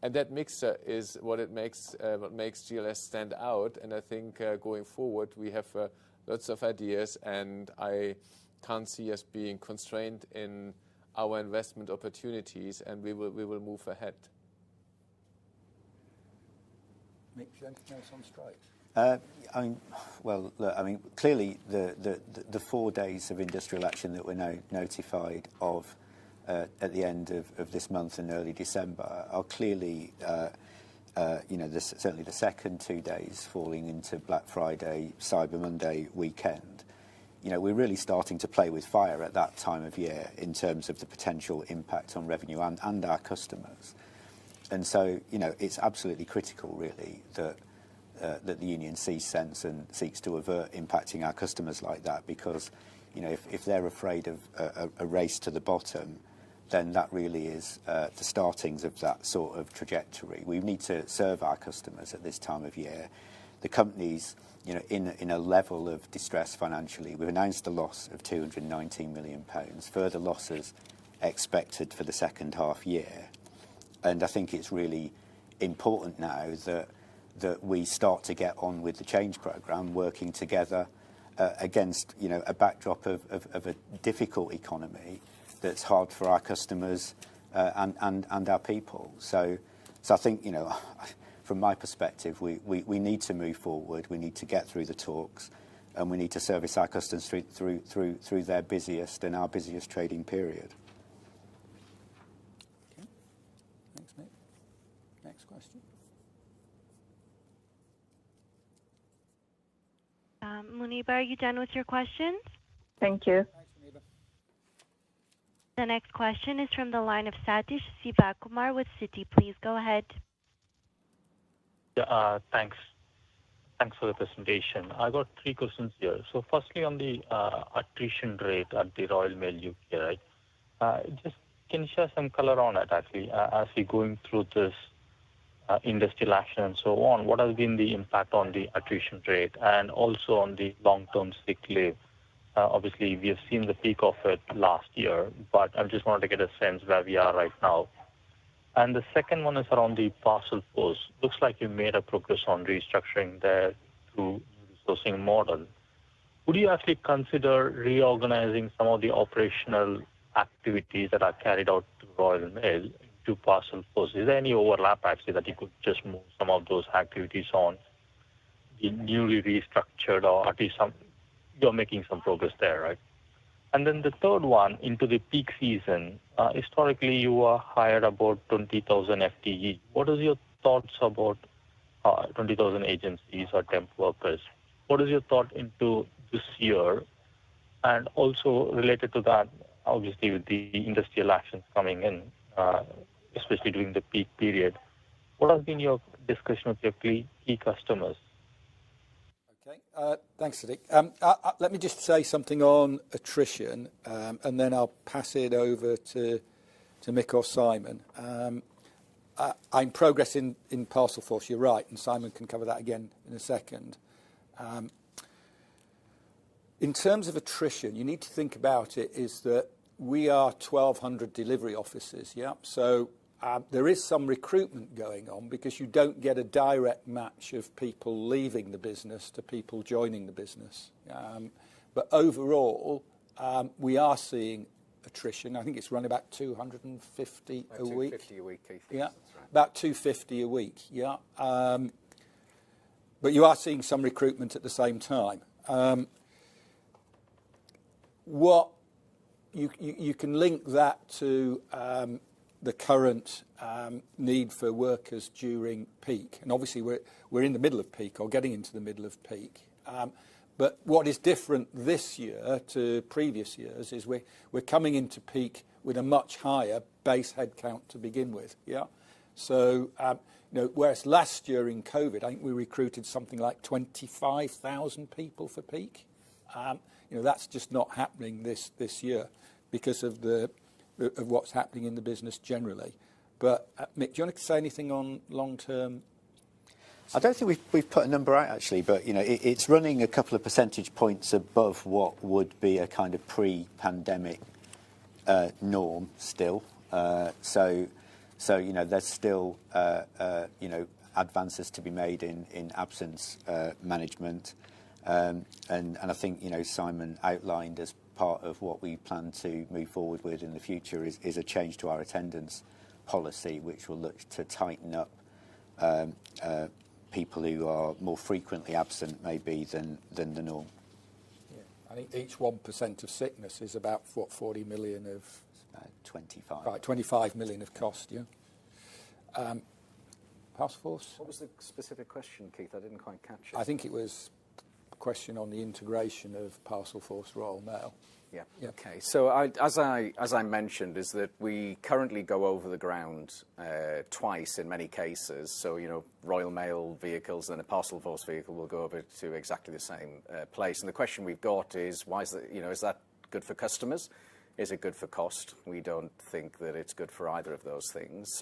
That mixture is what makes GLS stand out. I think, going forward, we have lots of ideas, and I can't see us being constrained in our investment opportunities, and we will move ahead. Mick, do you want to comment on strikes? Well, look, I mean, clearly the four days of industrial action that we're now notified of at the end of this month in early December are clearly, you know, certainly the second two days falling into Black Friday, Cyber Monday weekend. You know, we're really starting to play with fire at that time of year in terms of the potential impact on revenue and our customers. You know, it's absolutely critical really that the union sees sense and seeks to avert impacting our customers like that, because, you know, if they're afraid of a race to the bottom, then that really is the startings of that sort of trajectory. We need to serve our customers at this time of year. The company's, you know, in a level of distress financially. We've announced a loss of 219 million pounds, further losses expected for the second half-year. I think it's really important now that That we start to get on with the change program, working together against, you know, a backdrop of a difficult economy that's hard for our customers and our people. I think, you know, from my perspective, we need to move forward. We need to get through the talks, and we need to service our customers through their busiest and our busiest trading period. Okay. Thanks, Mick. Next question. Muneeba, are you done with your questions? Thank you. Thanks, Muneeba. The next question is from the line of Sathish Sivakumar with Citi. Please go ahead. Yeah, thanks for the presentation. I've got three questions here. Firstly, on the attrition rate at the Royal Mail U.K., right? Just can you share some color on it actually? As we're going through this industrial action and so on, what has been the impact on the attrition rate and also on the long-term sick leave? Obviously, we have seen the peak of it last year, but I just wanted to get a sense where we are right now. The second one is around the Parcelforce. Looks like you made a progress on restructuring the through-sourcing model. Would you actually consider reorganizing some of the operational activities that are carried out through Royal Mail into Parcelforce? Is there any overlap actually that you could just move some of those activities on in newly restructured or at least some? You're making some progress there, right? The third one into the peak season. Historically, you hired about 20,000 FTE. What is your thoughts about 20,000 agencies or temp workers? What is your thought into this year? Related to that, obviously, with the industrial actions coming in, especially during the peak period, what has been your discussion with your key customers? Okay. Thanks, Sathish. Let me just say something on attrition and then I'll pass it over to Mick or Simon. I'm progressing in Parcelforce. You're right. Simon can cover that again in a second. In terms of attrition, you need to think about it is that we are 1,200 delivery offices. Yeah. There is some recruitment going on because you don't get a direct match of people leaving the business to people joining the business. Overall, we are seeing attrition. I think it's running about 250 people a week. About 250 a week, Keith. About 250 a week. Yeah. You are seeing some recruitment at the same time. What you can link that to, the current need for workers during peak. Obviously, we're in the middle of peak or getting into the middle of peak. What is different this year to previous years is we're coming into peak with a much higher base headcount to begin with. Yeah. You know, whereas last year in COVID, I think we recruited something like 25,000 people for peak. You know, that's just not happening this year because of what's happening in the business generally. Mick, do you wanna say anything on long-term? I don't think we've put a number out actually, but, you know, it's running a couple of percentage points above what would be a kind of pre-pandemic norm still. You know, there's still advances to be made in absence management. I think, you know, Simon outlined as part of what we plan to move forward with in the future is a change to our attendance policy, which will look to tighten up people who are more frequently absent maybe than the norm. Yeah. I think each 1% of sickness is about what? 40 million. It's about 25 million. About 25 million of cost, yeah. Parcelforce? What was the specific question, Keith? I didn't quite catch it. I think it was a question on the integration of Parcelforce Royal Mail. Yeah. As I mentioned, is that we currently go over the ground twice in many cases. You know, Royal Mail vehicles and a Parcelforce vehicle will go over to exactly the same place. The question we've got is, why is it, you know, is that good for customers? Is it good for cost? We don't think that it's good for either of those things.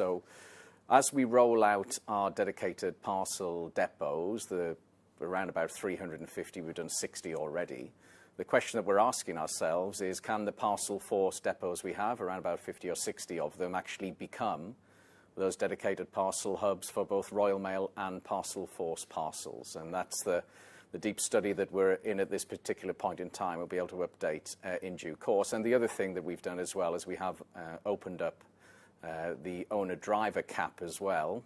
As we roll out our dedicated parcel depots, the round about 350, we've done 60 already. The question that we're asking ourselves is, can the Parcelforce depots we have around about 50 or 60 of them actually become those dedicated parcel hubs for both Royal Mail and Parcelforce parcels? That's the deep study that we're in at this particular point in time. We'll be able to update in due course. The other thing that we've done as well is we have opened up the owner-driver cap as well,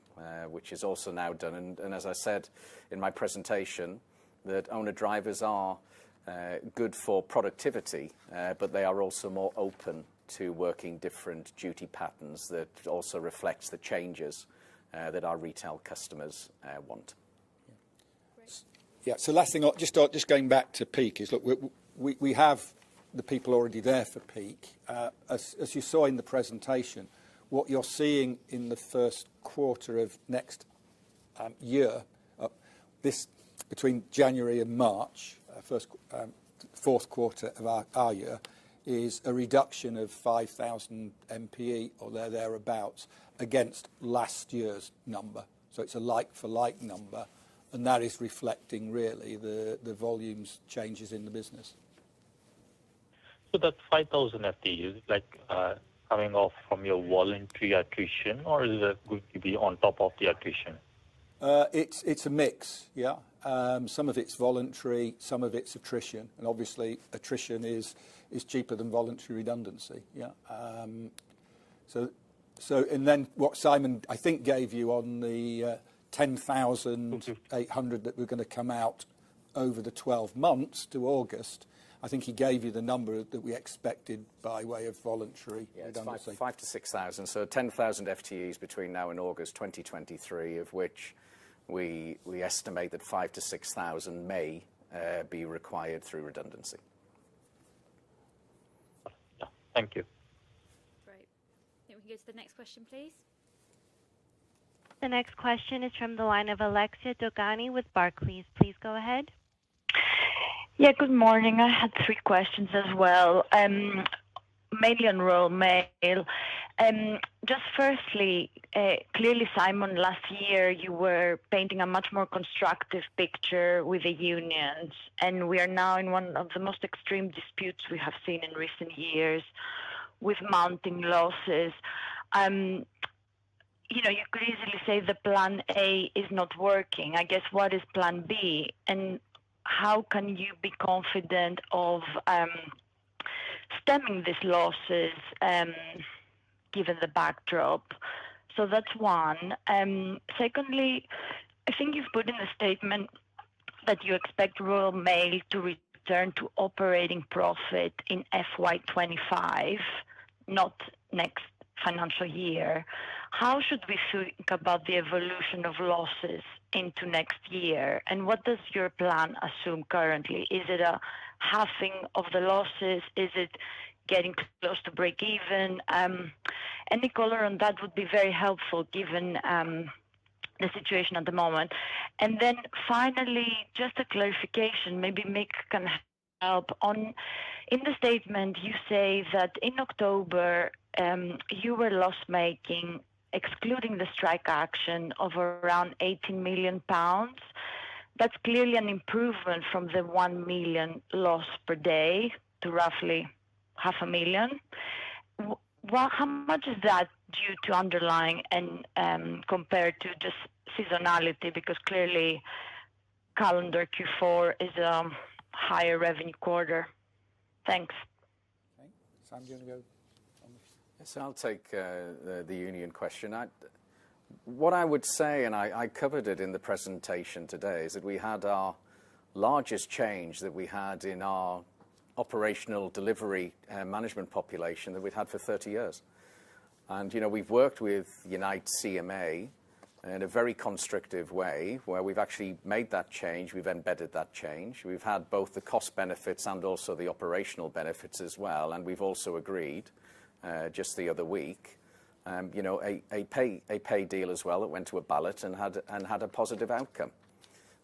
which is also now done. As I said in my presentation, that owner-drivers are good for productivity, but they are also more open to working different duty patterns that also reflects the changes that our retail customers want. Great. Yeah. Last thing, just going back to peak is, look, we have the people already there for peak. As you saw in the presentation, what you're seeing in the first quarter of next year, this between January and March, fourth quarter of our year, is a reduction of 5,000 FTE or thereabout against last year's number. It's a like-for-like number, and that is reflecting really the volumes changes in the business. That 5,000 FTE is like coming off from your voluntary attrition, or is it going to be on top of the attrition? It's a mix, yeah. Some of it's voluntary, some of it's attrition, and obviously attrition is cheaper than voluntary redundancy. Yeah. What Simon, I think, gave you on the 10,000. 800 that were gonna come out over the 12 months to August, I think he gave you the number that we expected by way of voluntary redundancy. Yeah. It's 5,000-6,000. 10,000 FTEs between now and August 2023, of which we estimate that 5,000-6,000 may be required through redundancy. Yeah. Thank you. Great. Think we can go to the next question, please. The next question is from the line of Alexia Dogani with Barclays. Please go ahead. Yeah, good morning. I had three questions as well. Maybe on Royal Mail. Just firstly, clearly, Simon, last year you were painting a much more constructive picture with the unions, and we are now in one of the most extreme disputes we have seen in recent years with mounting losses. You know, you could easily say the plan A is not working. I guess, what is plan B? How can you be confident of stemming these losses given the backdrop? That's one. Secondly, I think you've put in a statement that you expect Royal Mail to return to operating profit in FY 2025, not next financial year. How should we think about the evolution of losses into next year, and what does your plan assume currently? Is it a halving of the losses? Is it getting close to break even? Any color on that would be very helpful given the situation at the moment. Finally, just a clarification, maybe Mick can help on. In the statement, you say that in October, you were loss-making, excluding the strike action of around 80 million pounds. That's clearly an improvement from the 1 million loss per day to roughly 500,000. Well, how much is that due to underlying and compared to just seasonality? Because clearly calendar Q4 is a higher revenue quarter. Thanks. Simon, do you want to go? Yes, I'll take the union question. What I would say, and I covered it in the presentation today, is that we had our largest change that we had in our operational delivery management population that we've had for 30 years. You know, we've worked with Unite CMA in a very constructive way, where we've actually made that change, we've embedded that change. We've had both the cost benefits and also the operational benefits as well, and we've also agreed just the other week, you know, a pay deal as well that went to a ballot and had a positive outcome.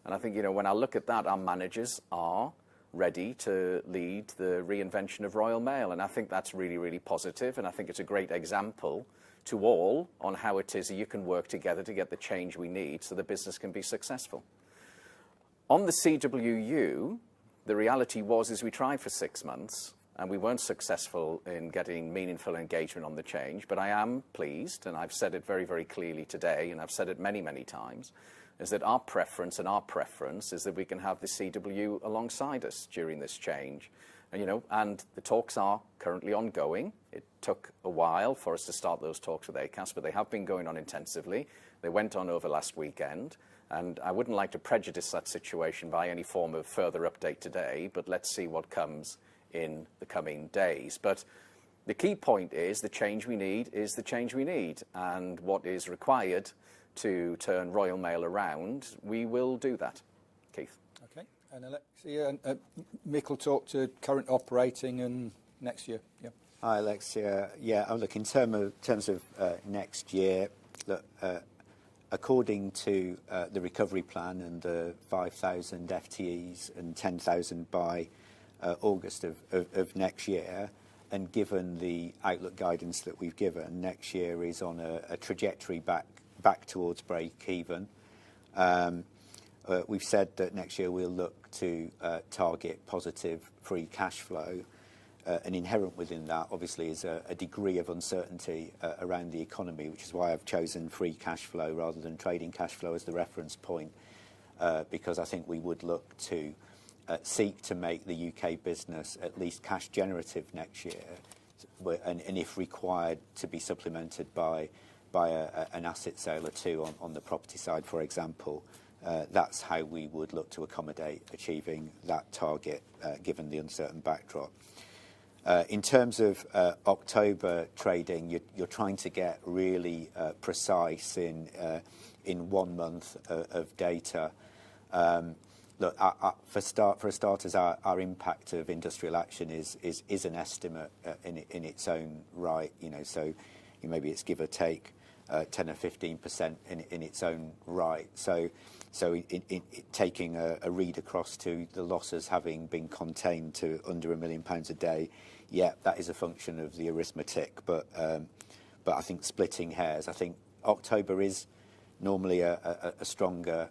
And I think, you know, when I look at that, our managers are ready to lead the reinvention of Royal Mail, and I think that's really, really positive and I think it's a great example to all on how it is that you can work together to get the change we need so the business can be successful. On the CWU, the reality was is we tried for six months, and we weren't successful in getting meaningful engagement on the change. But I am pleased, and I've said it very, very clearly today, and I've said it many, many times, is that our preference and our preference is that we can have the CWU alongside us during this change. And you know, and the talks are currently ongoing. It took a while for us to start those talks with ACAS, but they have been going on intensively. They went on over last weekend. I wouldn't like to prejudice that situation by any form of further update today, but let's see what comes in the coming days. The key point is the change we need is the change we need. What is required to turn Royal Mail around, we will do that. Keith? Okay. Alexia and Mick will talk to current operating and next year. Yeah. Hi, Alexia. Yeah, look, in terms of next year, look, according to the recovery plan and the 5,000 FTEs and 10,000 by August of next year, and given the outlook guidance that we've given, next year is on a trajectory back towards break-even. We've said that next year we'll look to target positive free cash flow. Inherent within that obviously is a degree of uncertainty around the economy, which is why I've chosen free cash flow rather than trading cash flow as the reference point. Because I think we would look to seek to make the U.K. business at least cash generative next year. If required to be supplemented by an asset sale or two on the property side, for example, that's how we would look to accommodate achieving that target given the uncertain backdrop. In terms of October trading, you're trying to get really precise in one month of data. Look, for starters, our impact of industrial action is an estimate in its own right, you know. Maybe it's give or take 10%-15% in its own right. Taking a read across to the losses having been contained to under 1 million pounds a day, yeah, that is a function of the arithmetic. I think splitting hairs. I think October is normally a stronger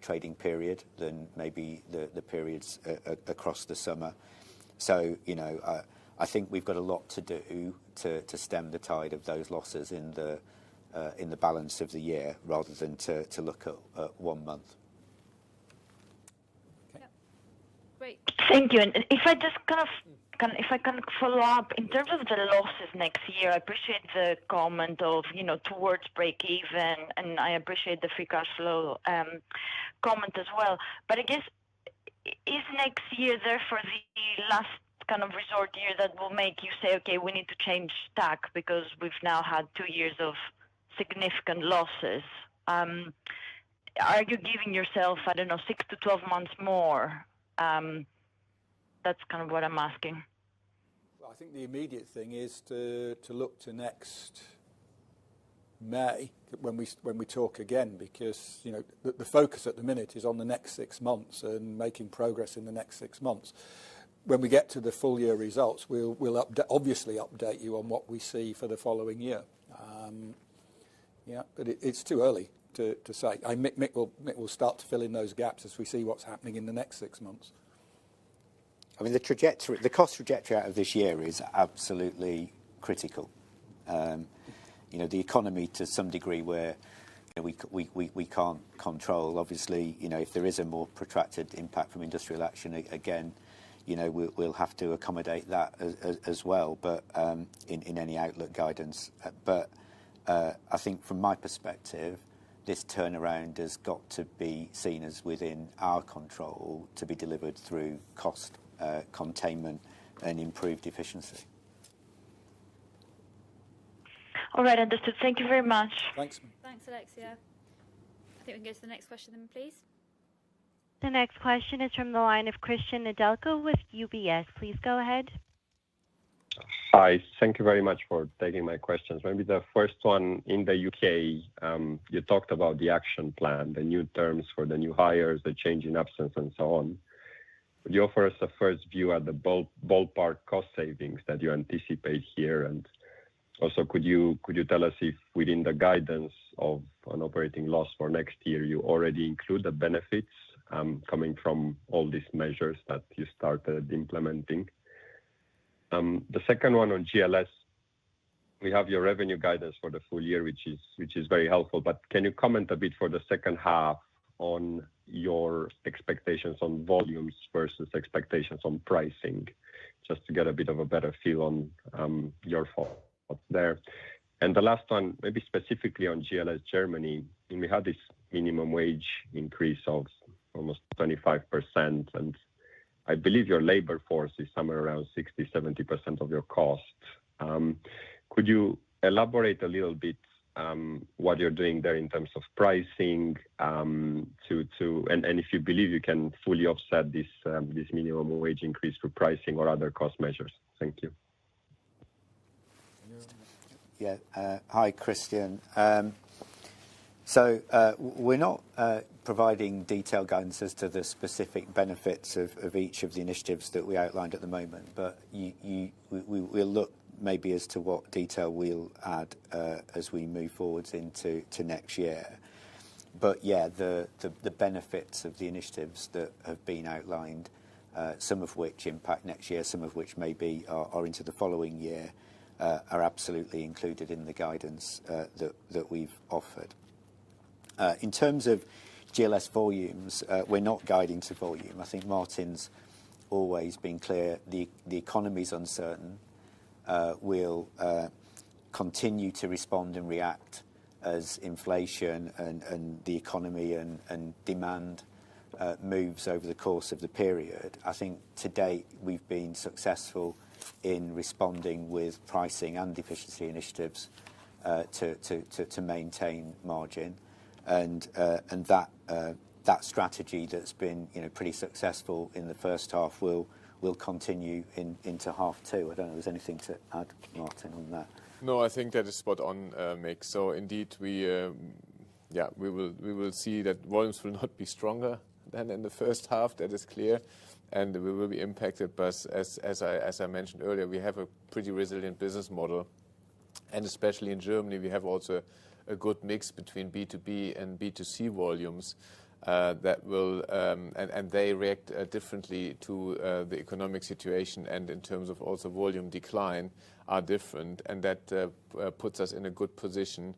trading period than maybe the periods across the summer. You know, I think we've got a lot to do to stem the tide of those losses in the balance of the year rather than to look at one month. Thank you. If I can follow up. In terms of the losses next year, I appreciate the comment of, you know, towards breakeven, and I appreciate the free cash flow comment as well. I guess, is next year therefore the last kind of resort year that will make you say, "Okay, we need to change tack because we've now had two years of significant losses"? Are you giving yourself, I don't know, 6-12 months more? That's kind of what I'm asking. Well, I think the immediate thing is to look to next May when we talk again, because, you know, the focus at the minute is on the next six months and making progress in the next six months. When we get to the full year results, we'll obviously update you on what we see for the following year. Yeah. It's too early to say. Mick will start to fill in those gaps as we see what's happening in the next six months. I mean, the trajectory, the cost trajectory out of this year is absolutely critical. You know, the economy to some degree where, you know, we can't control. Obviously, you know, if there is a more protracted impact from industrial action, again, you know, we'll have to accommodate that as well, but in any outlook guidance. I think from my perspective, this turnaround has got to be seen as within our control to be delivered through cost containment and improved efficiency. All right. Understood. Thank you very much. Thanks. Thanks, Alexia. I think we can go to the next question then, please. The next question is from the line of Cristian Nedelcu with UBS. Please go ahead. Hi. Thank you very much for taking my questions. Maybe the first one in the U.K., you talked about the action plan, the new terms for the new hires, the change in absence and so on. Would you offer us a first view at the ballpark cost savings that you anticipate here? Could you tell us if within the guidance of an operating loss for next year, you already include the benefits coming from all these measures that you started implementing? The second one on GLS. We have your revenue guidance for the full year, which is very helpful. Can you comment a bit for the second half on your expectations on volumes versus expectations on pricing? Just to get a bit of a better feel on your thoughts there. The last one, maybe specifically on GLS Germany. I mean, we had this minimum wage increase of almost 25%, and I believe your labor force is somewhere around 60%-70% of your cost. Could you elaborate a little bit what you're doing there in terms of pricing and if you believe you can fully offset this minimum wage increase through pricing or other cost measures? Thank you. Yeah, hi, Cristian. We're not providing detailed guidance as to the specific benefits of each of the initiatives that we outlined at the moment. We'll look maybe as to what detail we'll add as we move forward into next year. The benefits of the initiatives that have been outlined, some of which impact next year, some of which may be or into the following year, are absolutely included in the guidance that we've offered. In terms of GLS volumes, we're not guiding to volume. I think Martin's always been clear, the economy's uncertain. We'll continue to respond and react as inflation and the economy and demand moves over the course of the period. I think to date, we've been successful in responding with pricing and efficiency initiatives to maintain margin. That strategy that's been, you know, pretty successful in the first half will continue into half two. I don't know if there's anything to add, Martin, on that. No, I think that is spot on, Mick. Indeed, we will see that volumes will not be stronger than in the first half. That is clear. We will be impacted. As I mentioned earlier, we have a pretty resilient business model. Especially in Germany, we have also a good mix between B2B and B2C volumes. They react differently to the economic situation and in terms of also volume decline are different. That puts us in a good position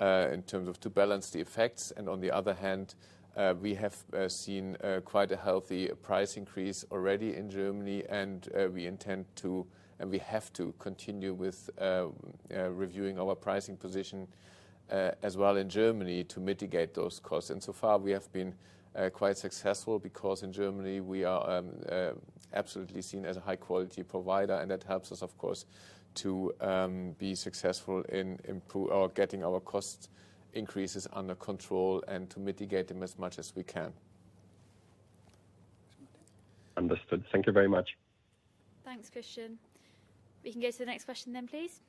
in terms of to balance the effects. On the other hand, we have seen quite a healthy price increase already in Germany. We intend to, and we have to continue with, reviewing our pricing position as well in Germany to mitigate those costs. So far, we have been quite successful because in Germany we are absolutely seen as a high-quality provider and that helps us of course to be successful in getting our cost increases under control and to mitigate them as much as we can. Understood. Thank you very much. Thanks, Cristian. We can go to the next question then, please.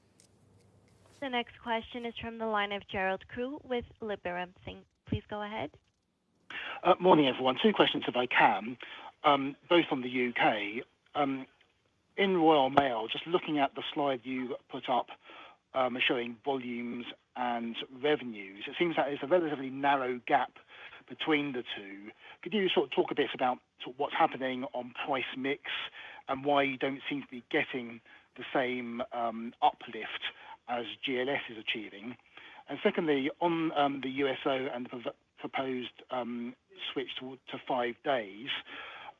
The next question is from the line of Gerald Khoo with Liberum. Please go ahead. Morning, everyone. Two questions, if I can, both on the U.K. In Royal Mail, just looking at the slide you put up showing volumes and revenues, it seems like it's a relatively narrow gap between the two. Could you sort of talk a bit about sort of what's happening on price mix? Why you don't seem to be getting the same uplift as GLS is achieving? Secondly, on the USO and the proposed switch to five days,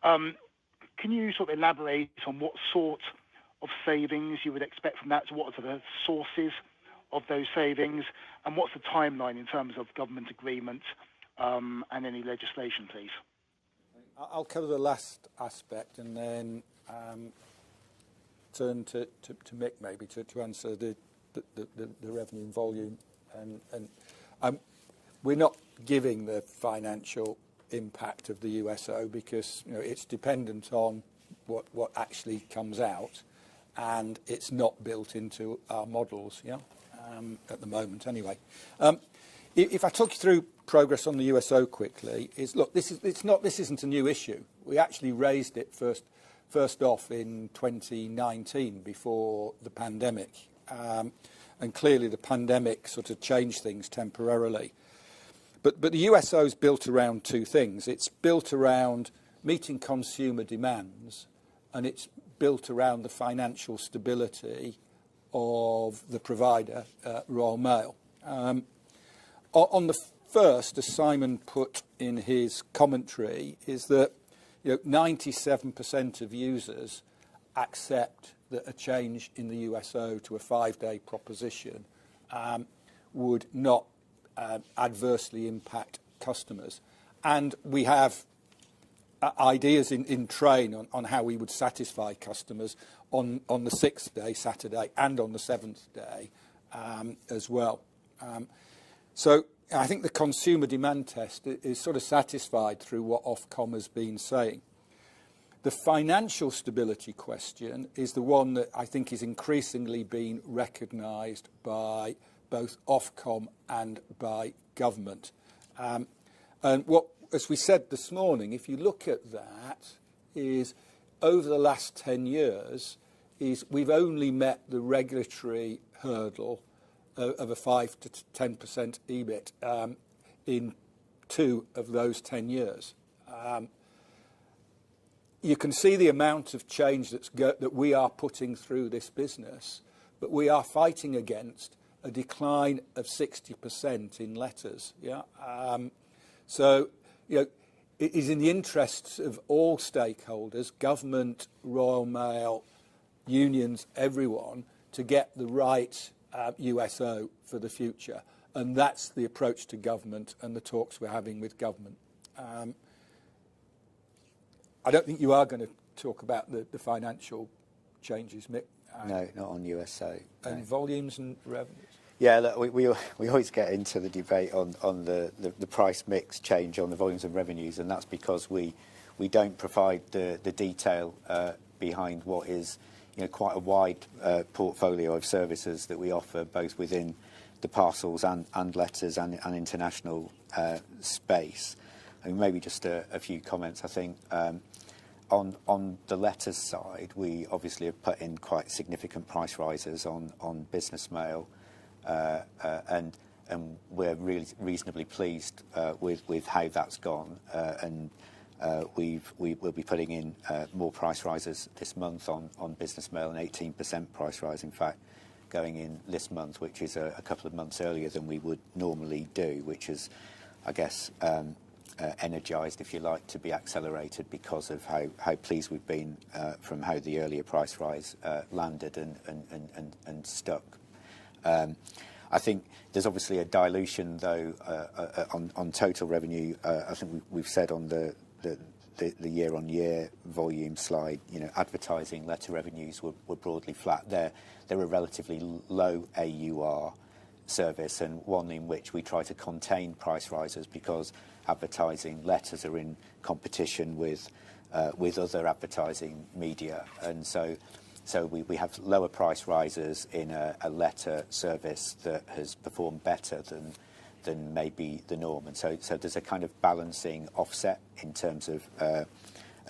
can you sort of elaborate on what sort of savings you would expect from that? What are the sources of those savings, and what's the timeline in terms of government agreement and any legislation, please? I'll cover the last aspect and then turn to Mick maybe to answer the revenue and volume. We're not giving the financial impact of the USO because, you know, it's dependent on what actually comes out, and it's not built into our models, yeah, at the moment anyway. If I talk you through progress on the USO quickly, this isn't a new issue. We actually raised it first off in 2019 before the pandemic. Clearly the pandemic sort of changed things temporarily. The USO is built around two things. It's built around meeting consumer demands, and it's built around the financial stability of the provider, Royal Mail. On the first, as Simon put in his commentary, is that, you know, 97% of users accept that a change in the USO to a five-day proposition would not adversely impact customers. We have ideas in train on how we would satisfy customers on the sixth day, Saturday, and on the seventh day as well. I think the consumer demand test is sort of satisfied through what Ofcom has been saying. The financial stability question is the one that I think is increasingly being recognized by both Ofcom and by government. What, as we said this morning, if you look at that, is over the last 10 years, is we've only met the regulatory hurdle of a 5%-10% EBIT in 2 of those 10 years. You can see the amount of change that we are putting through this business, but we are fighting against a decline of 60% in letters, yeah. You know, it is in the interests of all stakeholders, government, Royal Mail, unions, everyone, to get the right USO for the future, and that's the approach to government and the talks we're having with government. I don't think you are gonna talk about the financial changes, Mick. No, not on USO. Volumes and revenues? Yeah. We always get into the debate on the price mix change on the volumes and revenues, and that's because we don't provide the detail behind what is, you know, quite a wide portfolio of services that we offer both within the parcels and letters and international space. Maybe just a few comments, I think. On the letters side, we obviously have put in quite significant price rises on business mail. We're really reasonably pleased with how that's gone. We will be putting in more price rises this month on business mail, an 18% price rise, in fact, going in this month, which is a couple of months earlier than we would normally do, which is, I guess, energized, if you like, to be accelerated because of how pleased we've been from how the earlier price rise landed and stuck. I think there's obviously a dilution though on total revenue. I think we've said on the year-on-year volume slide, you know, advertising letter revenues were broadly flat. They're a relatively low AUR service, and one in which we try to contain price rises because advertising letters are in competition with other advertising media. We have lower price rises in a letter service that has performed better than maybe the norm. There's a kind of balancing offset in terms of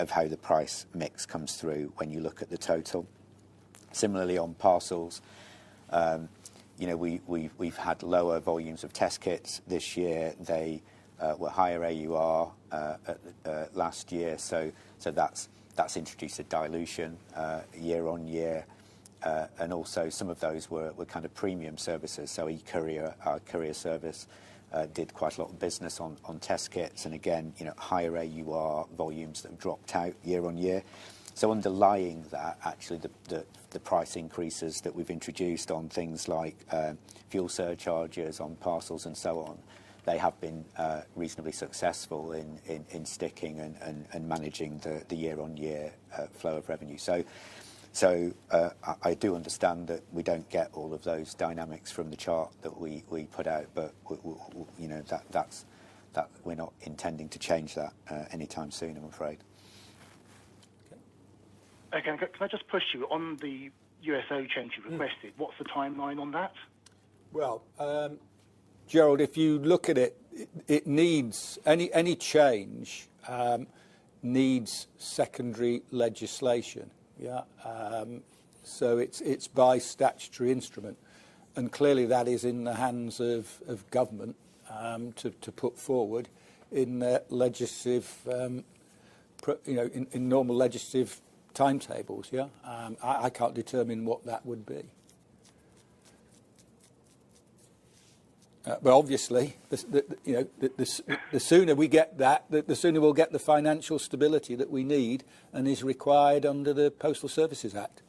how the price mix comes through when you look at the total. Similarly, on parcels, you know, we've had lower volumes of test kits this year. They were higher AUR at last year. That's introduced a dilution year-on-year. Also some of those were kind of premium services. eCourier, our courier service, did quite a lot of business on test kits. Again, you know, higher AUR volumes that have dropped out year-on-year. Underlying that, actually the price increases that we've introduced on things like fuel surcharges on parcels and so on, they have been reasonably successful in sticking and managing the year-on-year flow of revenue. I do understand that we don't get all of those dynamics from the chart that we put out, but you know, that we're not intending to change that anytime soon, I'm afraid. Okay. Again, can I just push you on the USO change you requested? What's the timeline on that? Well, Gerald, if you look at it, any change needs secondary legislation. Yeah. It's by statutory instrument, and clearly that is in the hands of government to put forward in the legislative, you know, in normal legislative timetables, yeah. I can't determine what that would be. Obviously the, you know, the sooner we get that, the sooner we'll get the financial stability that we need and is required under the Postal Services Act.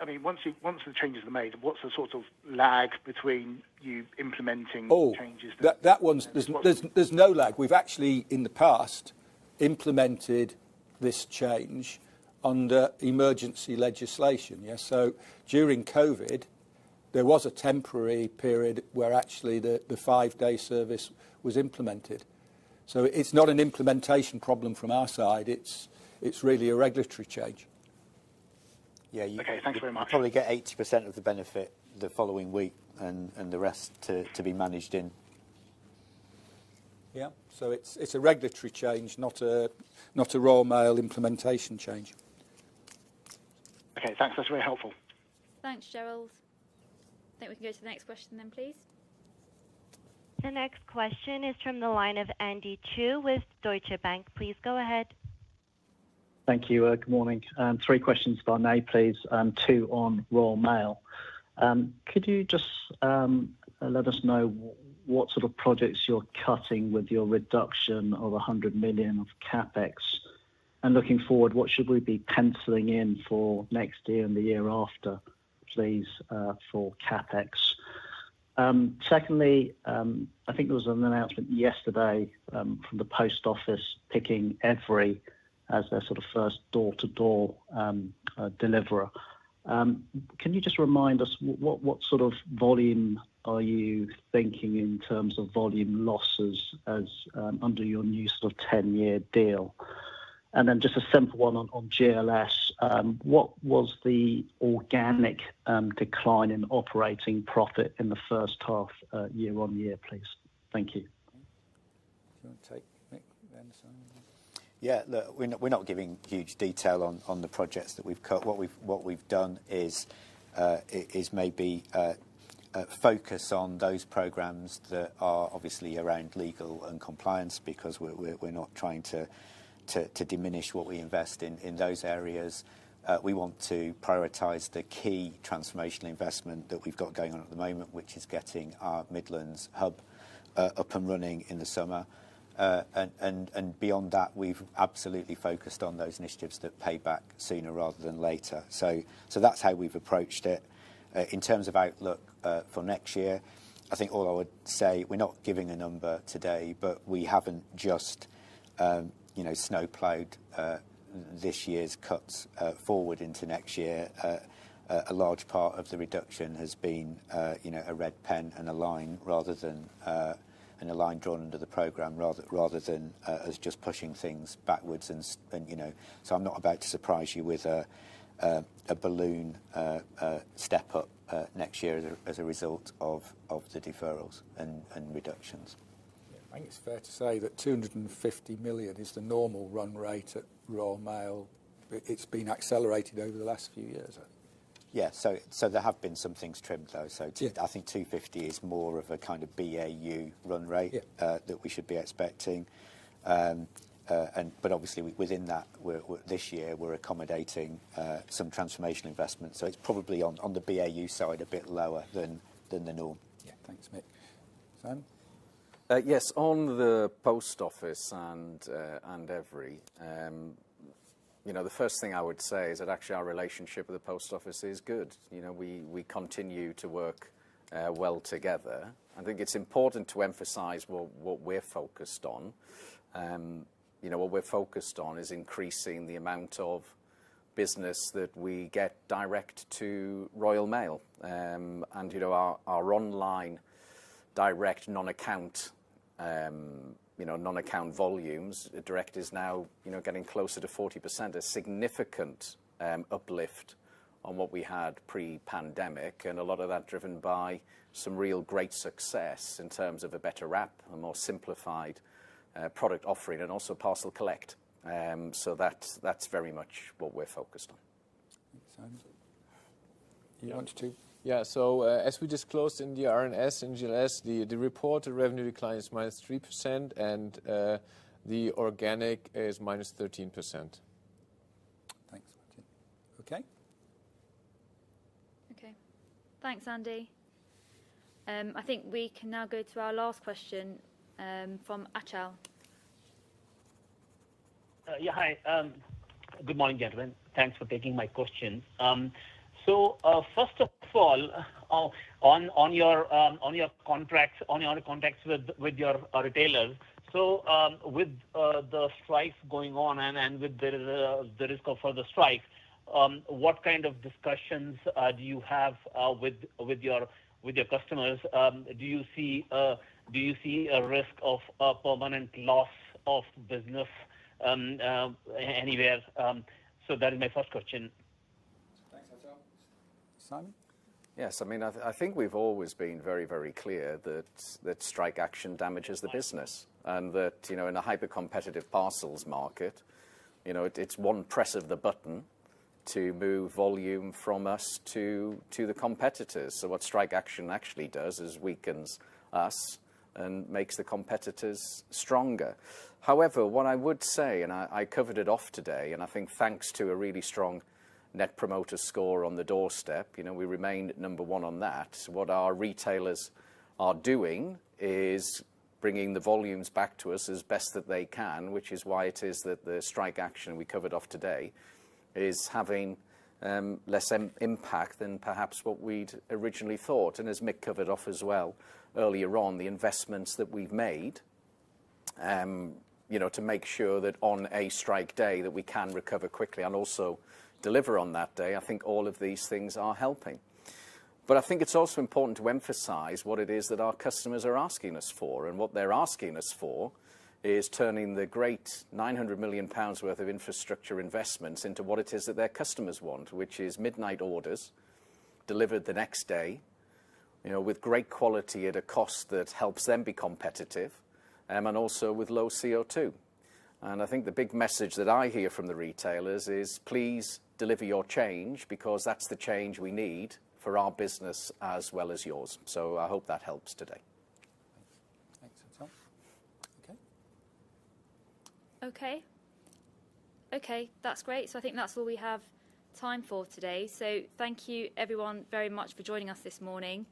I mean, once the changes are made, what's the sort of lag between you implementing the changes? Oh, there's no lag. We've actually in the past implemented this change under emergency legislation, yeah. During COVID, there was a temporary period where actually the five-day service was implemented. It's not an implementation problem from our side. It's really a regulatory change. Yeah. Okay, thank you very much. You probably get 80% of the benefit the following week and the rest to be managed in. Yeah. It's a regulatory change, not a Royal Mail implementation change. Okay, thanks. That's really helpful. Thanks, Gerald. I think we can go to the next question then, please. The next question is from the line of Andy Chu with Deutsche Bank. Please go ahead. Thank you. Good morning. Three questions if I may, please, two on Royal Mail. Could you just let us know what sort of projects you're cutting with your reduction of 100 million of CapEx? Looking forward, what should we be penciling in for next year and the year after, please, for CapEx? Secondly, I think there was an announcement yesterday from the Post Office picking Evri as their sort of first door-to-door deliverer. Can you just remind us what sort of volume are you thinking in terms of volume losses under your new sort of 10-year deal? Just a simple one on GLS. What was the organic decline in operating profit in the first half year-over-year, please? Thank you. Do you wanna take, Mick, then Simon? Yeah. Look, we're not giving huge detail on the projects that we've cut. What we've done is maybe focus on those programs that are obviously around legal and compliance because we're not trying to diminish what we invest in those areas. We want to prioritize the key transformational investment that we've got going on at the moment, which is getting our Midlands hub up and running in the summer. Beyond that, we've absolutely focused on those initiatives that pay back sooner rather than later. That's how we've approached it. In terms of outlook for next year, I think all I would say, we're not giving a number today, but we haven't just, you know, snowplowed this year's cuts forward into next year. A large part of the reduction has been, you know, a red pen and a line drawn under the program rather than as just pushing things backwards and, you know. I'm not about to surprise you with a balloon step up next year as a result of the deferrals and reductions. Yeah. I think it's fair to say that 250 million is the normal run rate at Royal Mail. It's been accelerated over the last few years. Yeah. There have been some things trimmed, though. Yeah. I think 250 is more of a kind of BAU run rate that we should be expecting. Obviously within that, this year, we're accommodating some transformational investments. It's probably on the BAU side a bit lower than the norm. Yeah. Thanks, Mick. Simon? Yes. On the Post Office and Evri, you know, the first thing I would say is that actually our relationship with the Post Office is good. You know, we continue to work well together. I think it's important to emphasize what we're focused on. You know, what we're focused on is increasing the amount of business that we get direct to Royal Mail. You know, our online direct non-account volumes. Direct is now, you know, getting closer to 40%, a significant uplift on what we had pre-pandemic, and a lot of that driven by some real great success in terms of a better wrap, a more simplified product offering, and also Parcel Collect. That's very much what we're focused on. Thanks. Simon, you wanted to? Yeah. As we disclosed in the RNS, in GLS, the reported revenue decline is -3% and the organic is -13%. Thanks. Okay. Okay. Thanks, Andy. I think we can now go to our last question from Achal. Yeah. Hi. Good morning, gentlemen. Thanks for taking my questions. First of all, on your contracts with your retailers, with the strikes going on and with the risk of further strikes, what kind of discussions do you have with your customers? Do you see a risk of a permanent loss of business anywhere? That is my first question. Thanks, Achal. Simon? Yes. I mean, I think we've always been very clear that strike action damages the business and that, you know, in a hyper-competitive parcels market, you know, it's one press of the button to move volume from us to the competitors. What strike action actually does is weakens us and makes the competitors stronger. However, what I would say, and I covered it off today, and I think thanks to a really strong Net Promoter Score on the doorstep, you know, we remained number one on that. What our retailers are doing is bringing the volumes back to us as best that they can, which is why it is that the strike action we covered off today is having less impact than perhaps what we'd originally thought. As Mick covered off as well earlier on, the investments that we've made, you know, to make sure that on a strike day, that we can recover quickly and also deliver on that day, I think all of these things are helping. I think it's also important to emphasize what it is that our customers are asking us for, and what they're asking us for is turning the great 900 million pounds worth of infrastructure investments into what it is that their customers want, which is midnight orders delivered the next day, you know, with great quality at a cost that helps them be competitive, and also with low CO2. I think the big message that I hear from the retailers is, "Please deliver your change because that's the change we need for our business as well as yours." I hope that helps today. Thanks, Achal. Okay, that's great. I think that's all we have time for today. Thank you everyone very much for joining us this morning.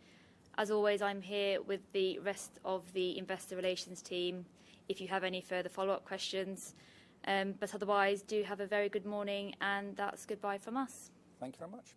As always, I'm here with the rest of the Investor Relations team if you have any further follow-up questions. Otherwise, do have a very good morning, and that's goodbye from us. Thank you very much.